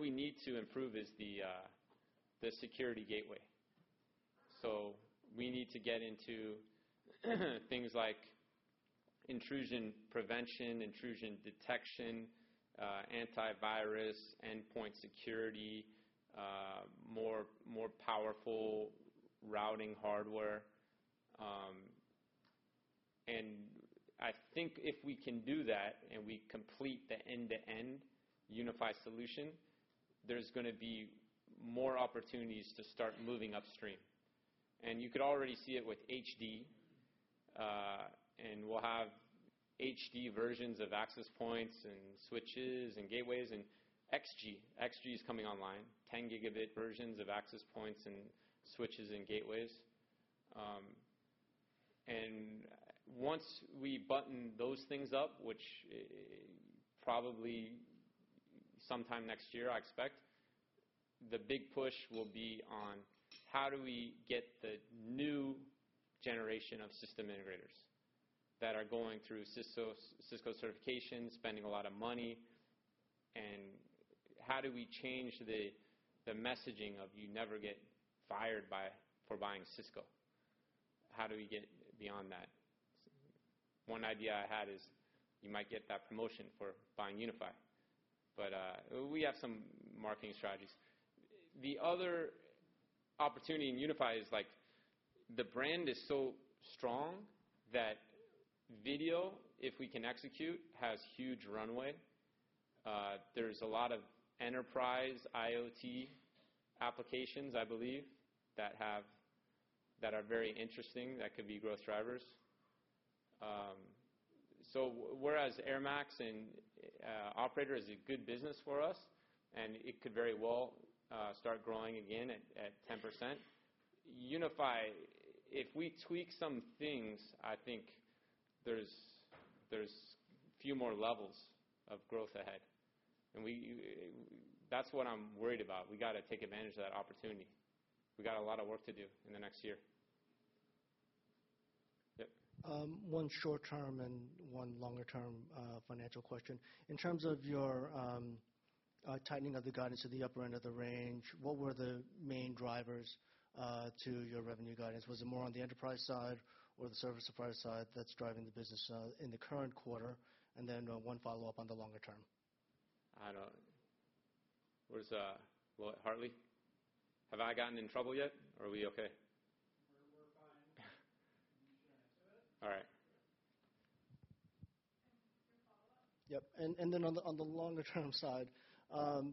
need to improve is the security gateway. We need to get into things like intrusion prevention, intrusion detection, antivirus, endpoint security, more powerful routing hardware. I think if we can do that and we complete the end-to-end UniFi solution, there's going to be more opportunities to start moving upstream. You could already see it with HD. We will have HD versions of access points and switches and gateways and XG. XG is coming online, 10-Gb versions of access points and switches and gateways. Once we button those things up, which probably sometime next year, I expect, the big push will be on how do we get the new generation of system integrators that are going through Cisco certification, spending a lot of money. How do we change the messaging of you never get fired for buying Cisco? How do we get beyond that? One idea I had is you might get that promotion for buying UniFi. We have some marketing strategies. The other opportunity in UniFi is the brand is so strong that video, if we can execute, has huge runway. are a lot of enterprise IoT applications, I believe, that are very interesting that could be growth drivers. Whereas airMAX and Operator is a good business for us, and it could very well start growing again at 10%, UniFi, if we tweak some things, I think there are a few more levels of growth ahead. That is what I am worried about. We have to take advantage of that opportunity. We have a lot of work to do in the next year. One short-term and one longer-term financial question. In terms of your tightening of the guidance to the upper end of the range, what were the main drivers to your revenue guidance? Was it more on the enterprise side or the service supplier side that's driving the business in the current quarter? One follow-up on the longer term. I don't know. Where's Hartley? Have I gotten in trouble yet, or are we okay? We're fine. All right. Your follow-up? Yep. On the longer-term side,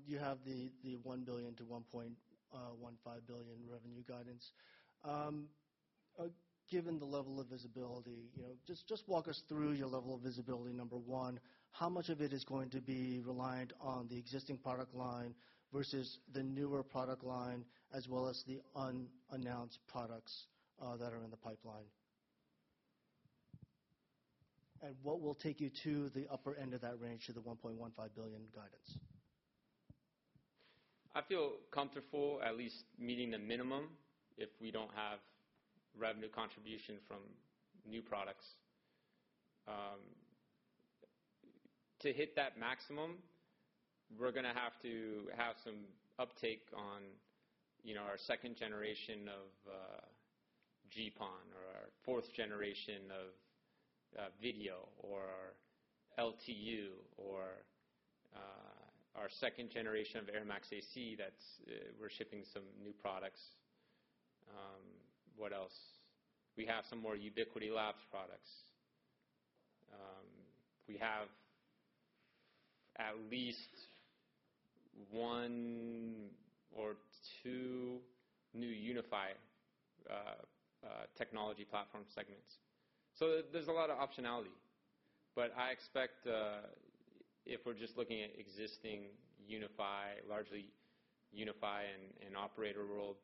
you have the $1 billion-$1.15 billion revenue guidance. Given the level of visibility, just walk us through your level of visibility, number one. How much of it is going to be reliant on the existing product line versus the newer product line, as well as the unannounced products that are in the pipeline? What will take you to the upper end of that range, to the $1.15 billion guidance? I feel comfortable at least meeting the minimum if we do not have revenue contribution from new products. To hit that maximum, we are going to have to have some uptake on our second generation of GPON or our fourth generation of video or LTU or our second generation of airMAX AC that we are shipping some new products. What else? We have some more Ubiquiti Labs products. We have at least one or two new UniFi technology platform segments. There is a lot of optionality. I expect if we are just looking at existing UniFi, largely UniFi and Operator World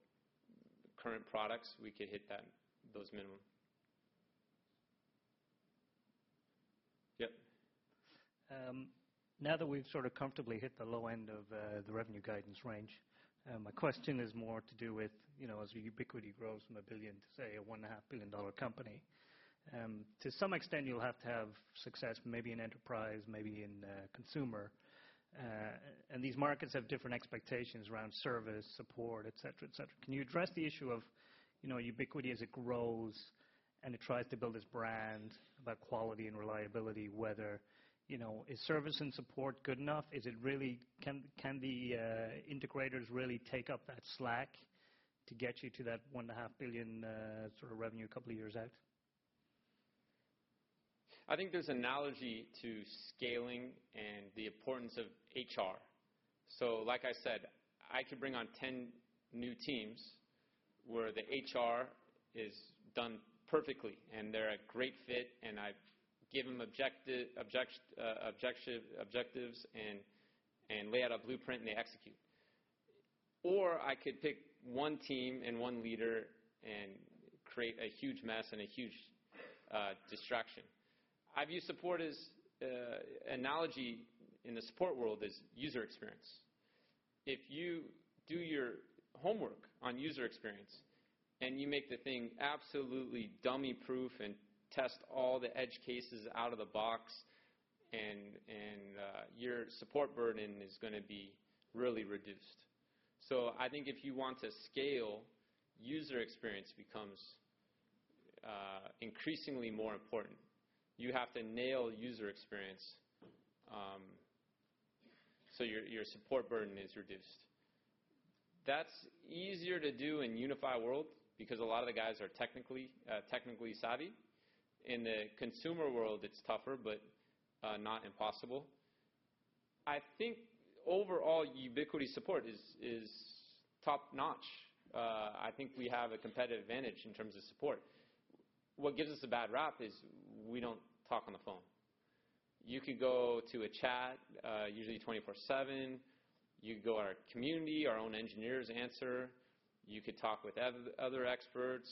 current products, we could hit those minimum. Yep. Now that we've sort of comfortably hit the low end of the revenue guidance range, my question is more to do with, as Ubiquiti grows from a billion to, say, a $1.5 billion company. To some extent, you'll have to have success maybe in enterprise, maybe in consumer. These markets have different expectations around service, support, etc., etc. Can you address the issue of Ubiquiti as it grows and it tries to build its brand about quality and reliability, whether is service and support good enough? Can the integrators really take up that slack to get you to that $1.5 billion sort of revenue a couple of years out? I think there's analogy to scaling and the importance of HR. Like I said, I could bring on 10 new teams where the HR is done perfectly and they're a great fit, and I give them objectives and lay out a blueprint, and they execute. Or I could pick one team and one leader and create a huge mess and a huge distraction. I view support as analogy in the support world is user experience. If you do your homework on user experience and you make the thing absolutely dummy-proof and test all the edge cases out of the box, your support burden is going to be really reduced. I think if you want to scale, user experience becomes increasingly more important. You have to nail user experience so your support burden is reduced. That's easier to do in UniFi World because a lot of the guys are technically savvy. In the consumer world, it's tougher, but not impossible. I think overall, Ubiquiti support is top-notch. I think we have a competitive advantage in terms of support. What gives us a bad rap is we don't talk on the phone. You could go to a chat, usually 24/7. You could go to our community, our own engineers answer. You could talk with other experts.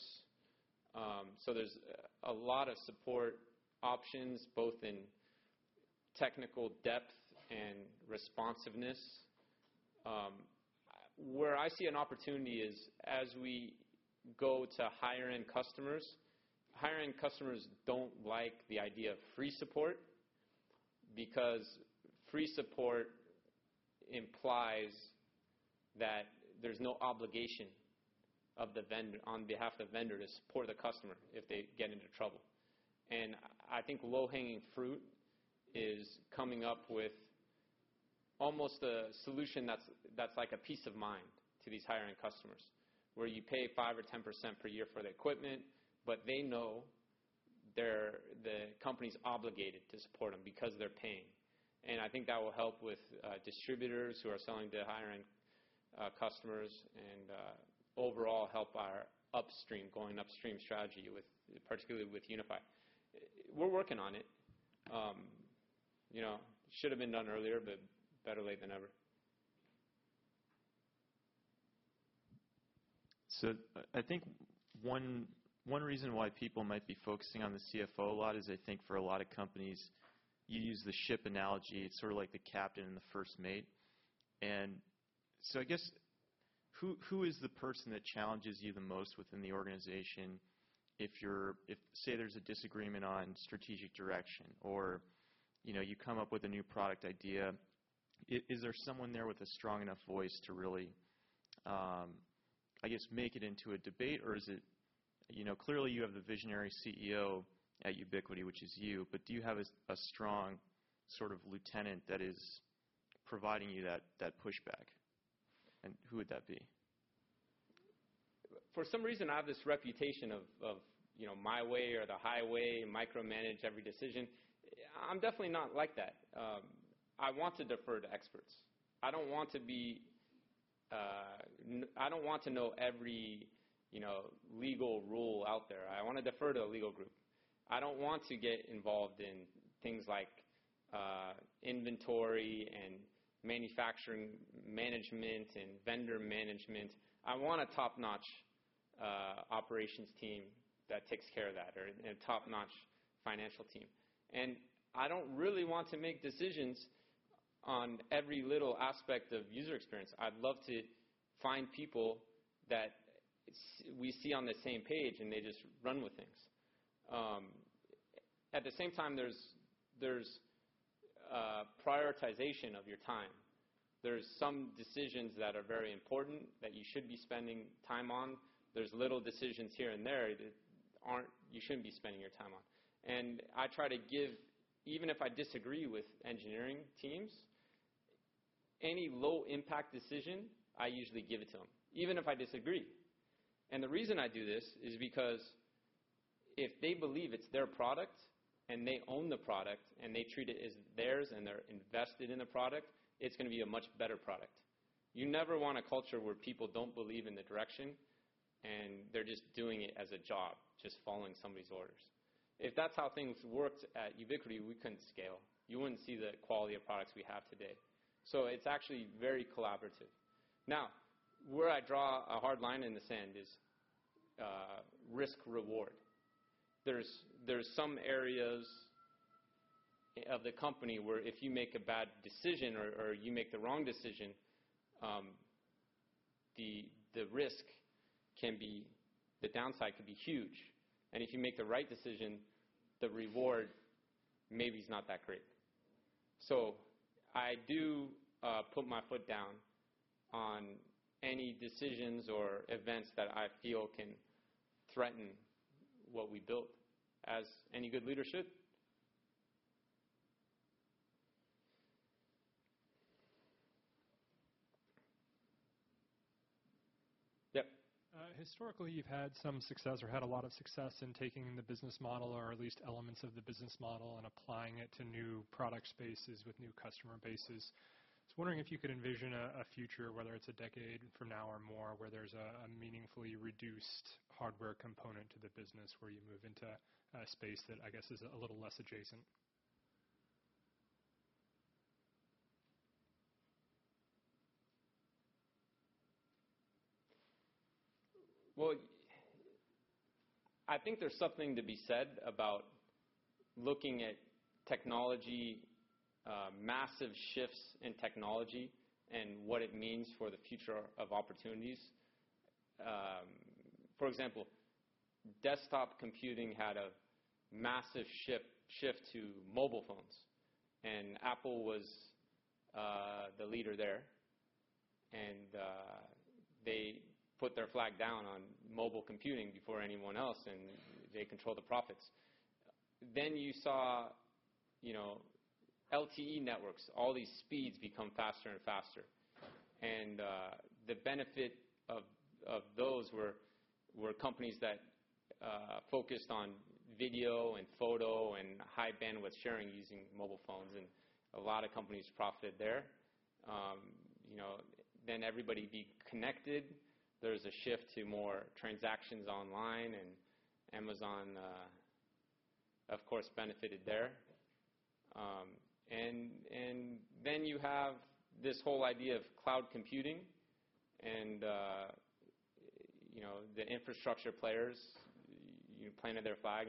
There are a lot of support options, both in technical depth and responsiveness. Where I see an opportunity is as we go to higher-end customers. Higher-end customers don't like the idea of free support because free support implies that there's no obligation on behalf of the vendor to support the customer if they get into trouble. I think low-hanging fruit is coming up with almost a solution that's like a peace of mind to these higher-end customers, where you pay 5% or 10% per year for the equipment, but they know the company's obligated to support them because they're paying. I think that will help with distributors who are selling to higher-end customers and overall help our upstream, going upstream strategy, particularly with UniFi. We're working on it. It should have been done earlier, but better late than ever. I think one reason why people might be focusing on the CFO a lot is I think for a lot of companies, you use the ship analogy. It's sort of like the captain and the first mate. I guess who is the person that challenges you the most within the organization if, say, there's a disagreement on strategic direction or you come up with a new product idea? Is there someone there with a strong enough voice to really, I guess, make it into a debate? Or is it clearly you have the visionary CEO at Ubiquiti, which is you, but do you have a strong sort of lieutenant that is providing you that pushback? And who would that be? For some reason, I have this reputation of my way or the highway, micromanage every decision. I'm definitely not like that. I want to defer to experts. I don't want to be, I don't want to know every legal rule out there. I want to defer to a legal group. I don't want to get involved in things like inventory and manufacturing management and vendor management. I want a top-notch operations team that takes care of that or a top-notch financial team. I don't really want to make decisions on every little aspect of user experience. I'd love to find people that we see on the same page, and they just run with things. At the same time, there's prioritization of your time. There's some decisions that are very important that you should be spending time on. are little decisions here and there that you should not be spending your time on. I try to give, even if I disagree with engineering teams, any low-impact decision, I usually give it to them, even if I disagree. The reason I do this is because if they believe it is their product and they own the product and they treat it as theirs and they are invested in the product, it is going to be a much better product. You never want a culture where people do not believe in the direction, and they are just doing it as a job, just following somebody's orders. If that is how things worked at Ubiquiti, we could not scale. You would not see the quality of products we have today. It is actually very collaborative. Where I draw a hard line in the sand is risk-reward. are some areas of the company where if you make a bad decision or you make the wrong decision, the risk can be the downside can be huge. If you make the right decision, the reward maybe is not that great. I do put my foot down on any decisions or events that I feel can threaten what we built. Has any good leadership? Yep. Historically, you've had some success or had a lot of success in taking the business model or at least elements of the business model and applying it to new product spaces with new customer bases. I was wondering if you could envision a future, whether it's a decade from now or more, where there's a meaningfully reduced hardware component to the business, where you move into a space that, I guess, is a little less adjacent. I think there's something to be said about looking at technology, massive shifts in technology, and what it means for the future of opportunities. For example, desktop computing had a massive shift to mobile phones. Apple was the leader there. They put their flag down on mobile computing before anyone else, and they control the profits. You saw LTE networks. All these speeds become faster and faster. The benefit of those were companies that focused on video and photo and high bandwidth sharing using mobile phones. A lot of companies profited there. Everybody be connected. There's a shift to more transactions online. Amazon, of course, benefited there. You have this whole idea of cloud computing and the infrastructure players planted their flag,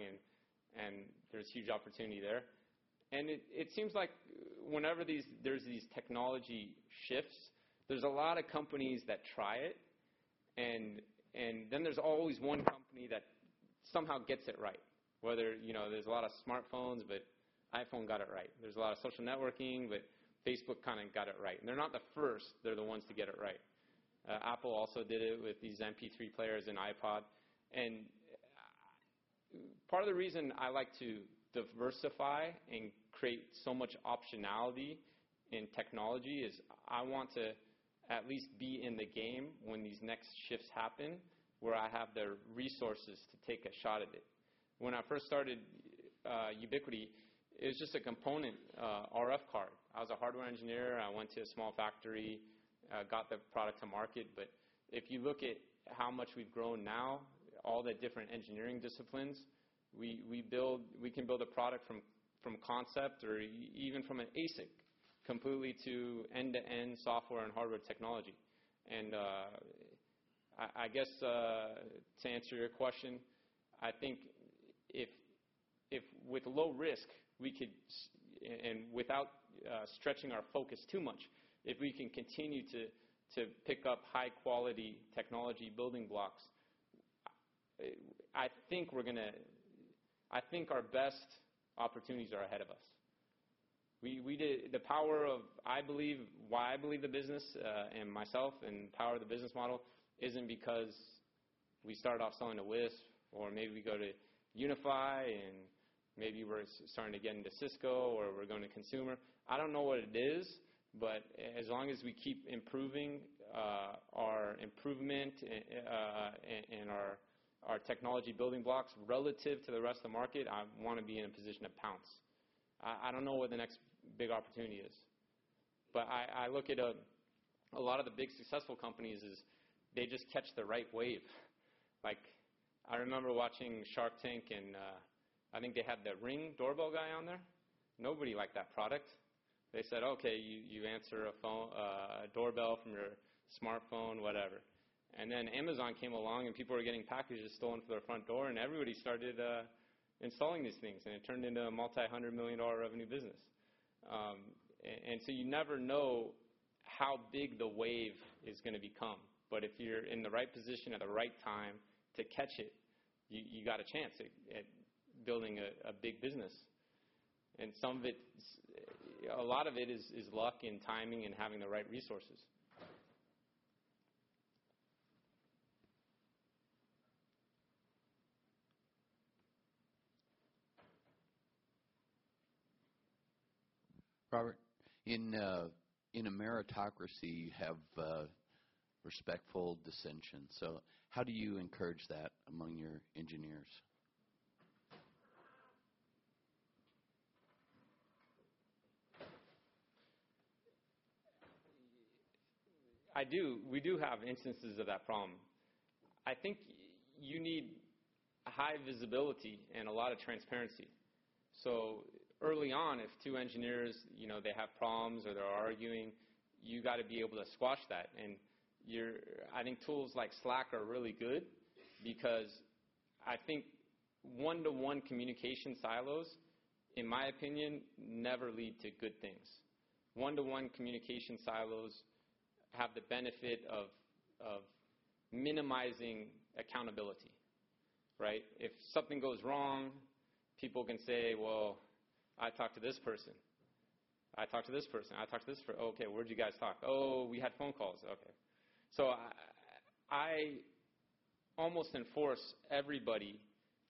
and there's huge opportunity there. It seems like whenever there's these technology shifts, there's a lot of companies that try it. There's always one company that somehow gets it right, whether there's a lot of smartphones, but iPhone got it right. There's a lot of social networking, but Facebook kind of got it right. They're not the first. They're the ones to get it right. Apple also did it with these MP3 players and iPod. Part of the reason I like to diversify and create so much optionality in technology is I want to at least be in the game when these next shifts happen, where I have the resources to take a shot at it. When I first started Ubiquiti, it was just a component RF card. I was a hardware engineer. I went to a small factory, got the product to market. If you look at how much we've grown now, all the different engineering disciplines, we can build a product from concept or even from an ASIC completely to end-to-end software and hardware technology. I guess to answer your question, I think if with low risk and without stretching our focus too much, if we can continue to pick up high-quality technology building blocks, I think our best opportunities are ahead of us. The power of why I believe the business and myself and the power of the business model isn't because we started off selling to WISP, or maybe we go to UniFi, and maybe we're starting to get into Cisco or we're going to consumer. I don't know what it is, but as long as we keep improving our improvement and our technology building blocks relative to the rest of the market, I want to be in a position to pounce. I don't know what the next big opportunity is. I look at a lot of the big successful companies as they just catch the right wave. I remember watching Shark Tank, and I think they had the Ring doorbell guy on there. Nobody liked that product. They said, "Okay, you answer a doorbell from your smartphone, whatever." Amazon came along, and people were getting packages stolen from their front door, and everybody started installing these things. It turned into a multi-hundred million dollar revenue business. You never know how big the wave is going to become. If you're in the right position at the right time to catch it, you got a chance at building a big business. A lot of it is luck and timing and having the right resources. Robert, in a meritocracy, you have respectful dissension. How do you encourage that among your engineers? We do have instances of that problem. I think you need high visibility and a lot of transparency. Early on, if two engineers, they have problems or they're arguing, you got to be able to squash that. I think tools like Slack are really good because I think one-to-one communication silos, in my opinion, never lead to good things. One-to-one communication silos have the benefit of minimizing accountability. Right? If something goes wrong, people can say, "Well, I talked to this person. I talked to this person. I talked to this person. Okay, where'd you guys talk? Oh, we had phone calls. Okay." I almost enforce everybody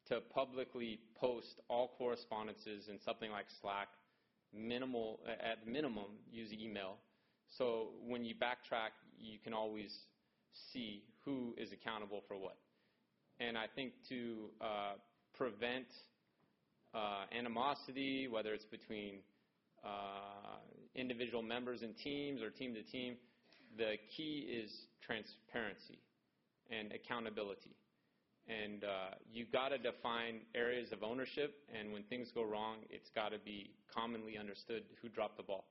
to publicly post all correspondences in something like Slack, at minimum, using email. When you backtrack, you can always see who is accountable for what. I think to prevent animosity, whether it's between individual members and teams or team to team, the key is transparency and accountability. You got to define areas of ownership. When things go wrong, it's got to be commonly understood who dropped the ball.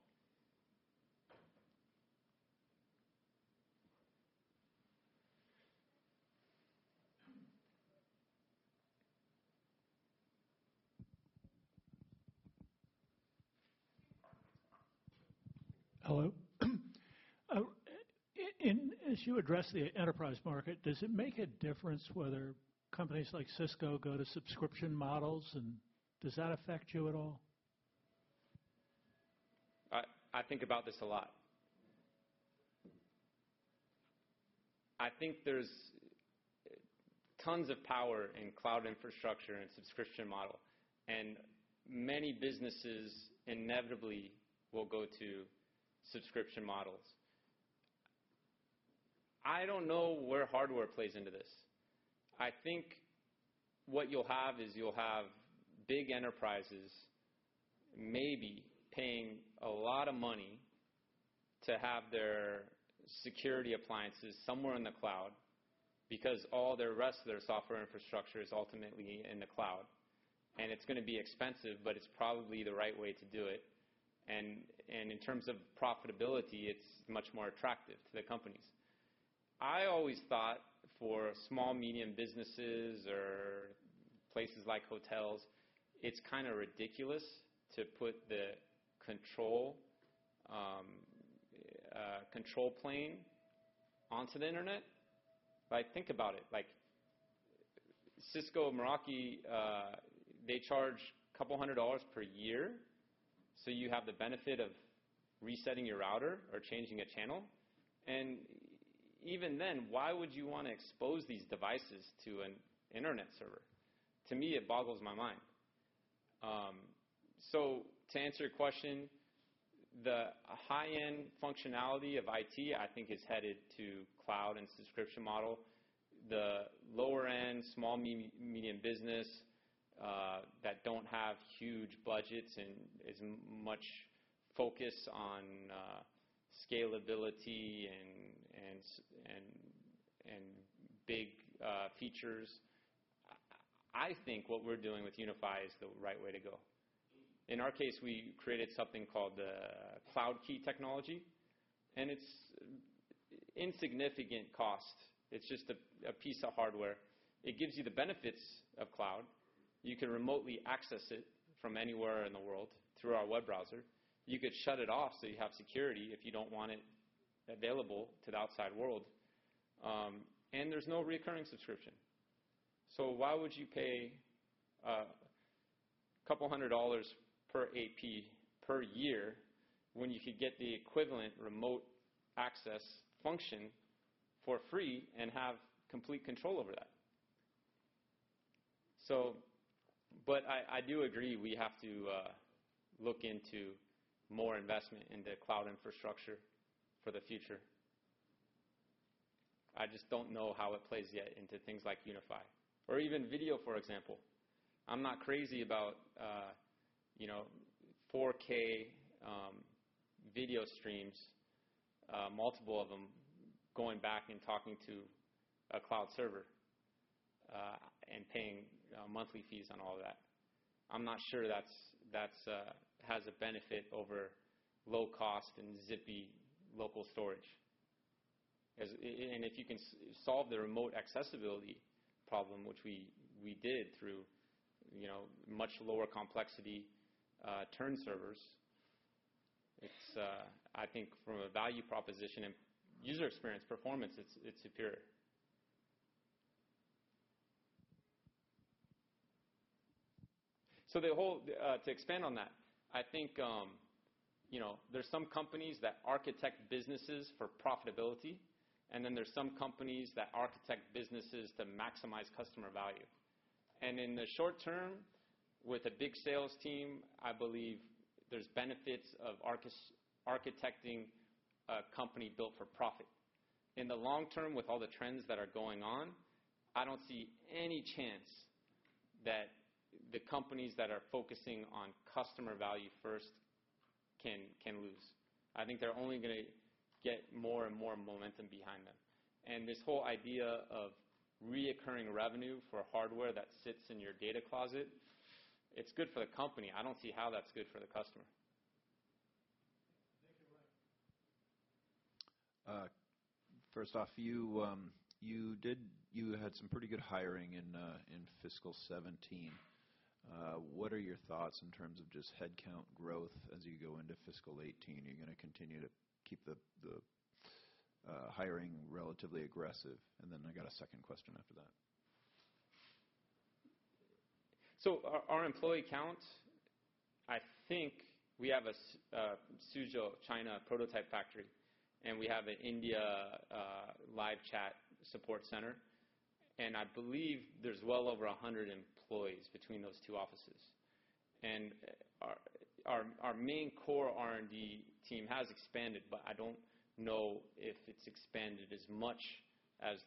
Hello. As you address the enterprise market, does it make a difference whether companies like Cisco go to subscription models? Does that affect you at all? I think about this a lot. I think there's tons of power in cloud infrastructure and subscription model. Many businesses inevitably will go to subscription models. I don't know where hardware plays into this. I think what you'll have is you'll have big enterprises maybe paying a lot of money to have their security appliances somewhere in the cloud because all the rest of their software infrastructure is ultimately in the cloud. It's going to be expensive, but it's probably the right way to do it. In terms of profitability, it's much more attractive to the companies. I always thought for small, medium businesses or places like hotels, it's kind of ridiculous to put the control plane onto the internet. I think about it. Cisco and Meraki, they charge a couple hundred dollars per year. You have the benefit of resetting your router or changing a channel. Even then, why would you want to expose these devices to an internet server? To me, it boggles my mind. To answer your question, the high-end functionality of IT, I think, is headed to cloud and subscription model. The lower-end, small, medium business that do not have huge budgets and is much focused on scalability and big features, I think what we are doing with UniFi is the right way to go. In our case, we created something called the Cloud Key technology. It is insignificant cost. It is just a piece of hardware. It gives you the benefits of cloud. You can remotely access it from anywhere in the world through our web browser. You could shut it off so you have security if you do not want it available to the outside world. There is no recurring subscription. Why would you pay a couple hundred dollars per AP per year when you could get the equivalent remote access function for free and have complete control over that? I do agree we have to look into more investment into cloud infrastructure for the future. I just do not know how it plays yet into things like UniFi. Or even video, for example. I am not crazy about 4K video streams, multiple of them, going back and talking to a cloud server and paying monthly fees on all of that. I am not sure that has a benefit over low-cost and zippy local storage. If you can solve the remote accessibility problem, which we did through much lower complexity turn servers, I think from a value proposition and user experience performance, it is superior. To expand on that, I think there's some companies that architect businesses for profitability. Then there's some companies that architect businesses to maximize customer value. In the short term, with a big sales team, I believe there's benefits of architecting a company built for profit. In the long term, with all the trends that are going on, I don't see any chance that the companies that are focusing on customer value first can lose. I think they're only going to get more and more momentum behind them. This whole idea of recurring revenue for hardware that sits in your data closet, it's good for the company. I don't see how that's good for the customer. First off, you had some pretty good hiring in fiscal 2017. What are your thoughts in terms of just headcount growth as you go into fiscal 2018? Are you going to continue to keep the hiring relatively aggressive? I got a second question after that. Our employee count, I think we have a Suzhou, China prototype factory. We have an India live chat support center. I believe there are well over 100 employees between those two offices. Our main core R&D team has expanded, but I do not know if it has expanded as much as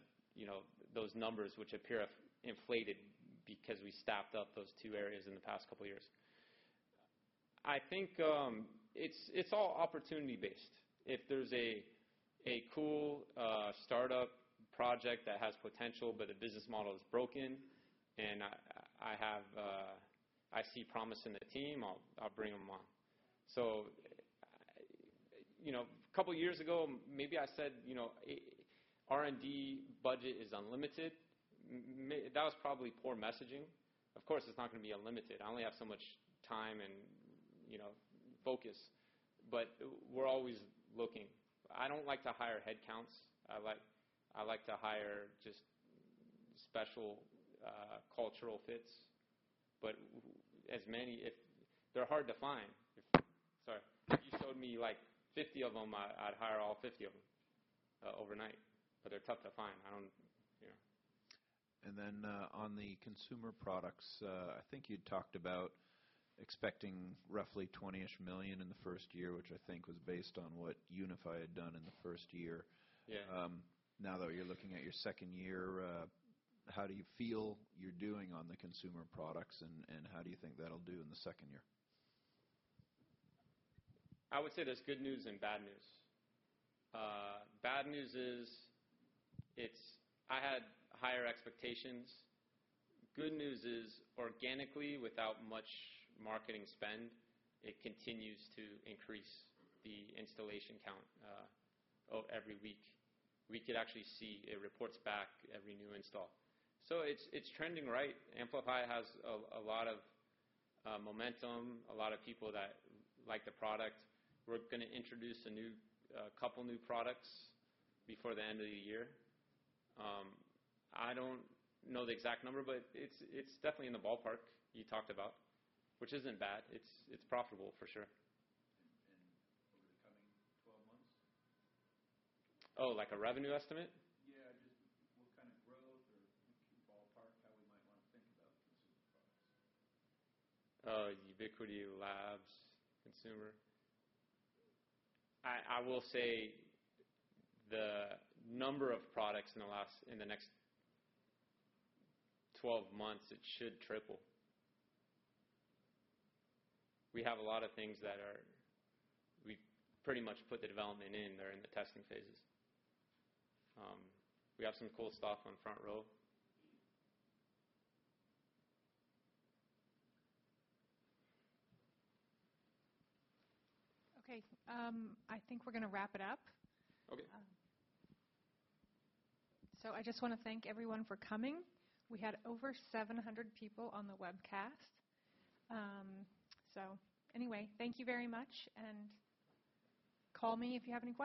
those numbers, which appear inflated because we staffed up those two areas in the past couple of years. I think it is all opportunity-based. If there is a cool startup project that has potential but the business model is broken and I see promise in the team, I will bring them on. A couple of years ago, maybe I said R&D budget is unlimited. That was probably poor messaging. Of course, it is not going to be unlimited. I only have so much time and focus. We are always looking. I do not like to hire headcounts. I like to hire just special cultural fits. They're hard to find. Sorry. If you showed me 50 of them, I'd hire all 50 of them overnight. They're tough to find. I don't. On the consumer products, I think you'd talked about expecting roughly $20 million in the first year, which I think was based on what UniFi had done in the first year. Now that you're looking at your second year, how do you feel you're doing on the consumer products? How do you think that'll do in the second year? I would say there's good news and bad news. Bad news is I had higher expectations. Good news is organically, without much marketing spend, it continues to increase the installation count every week. We could actually see it reports back every new install. So it's trending right. Amplify has a lot of momentum, a lot of people that like the product. We're going to introduce a couple new products before the end of the year. I don't know the exact number, but it's definitely in the ballpark you talked about, which isn't bad. It's profitable for sure. Over the coming 12 months? Oh, like a revenue estimate? Yeah. Just what kind of growth or ballpark that we might want to think about consumer products? Ubiquiti Labs, consumer. I will say the number of products in the next 12 months, it should triple. We have a lot of things that we pretty much put the development in. They're in the testing phases. We have some cool stuff on Front Row. Okay. I think we're going to wrap it up. I just want to thank everyone for coming. We had over 700 people on the webcast. Anyway, thank you very much. Call me if you have any questions.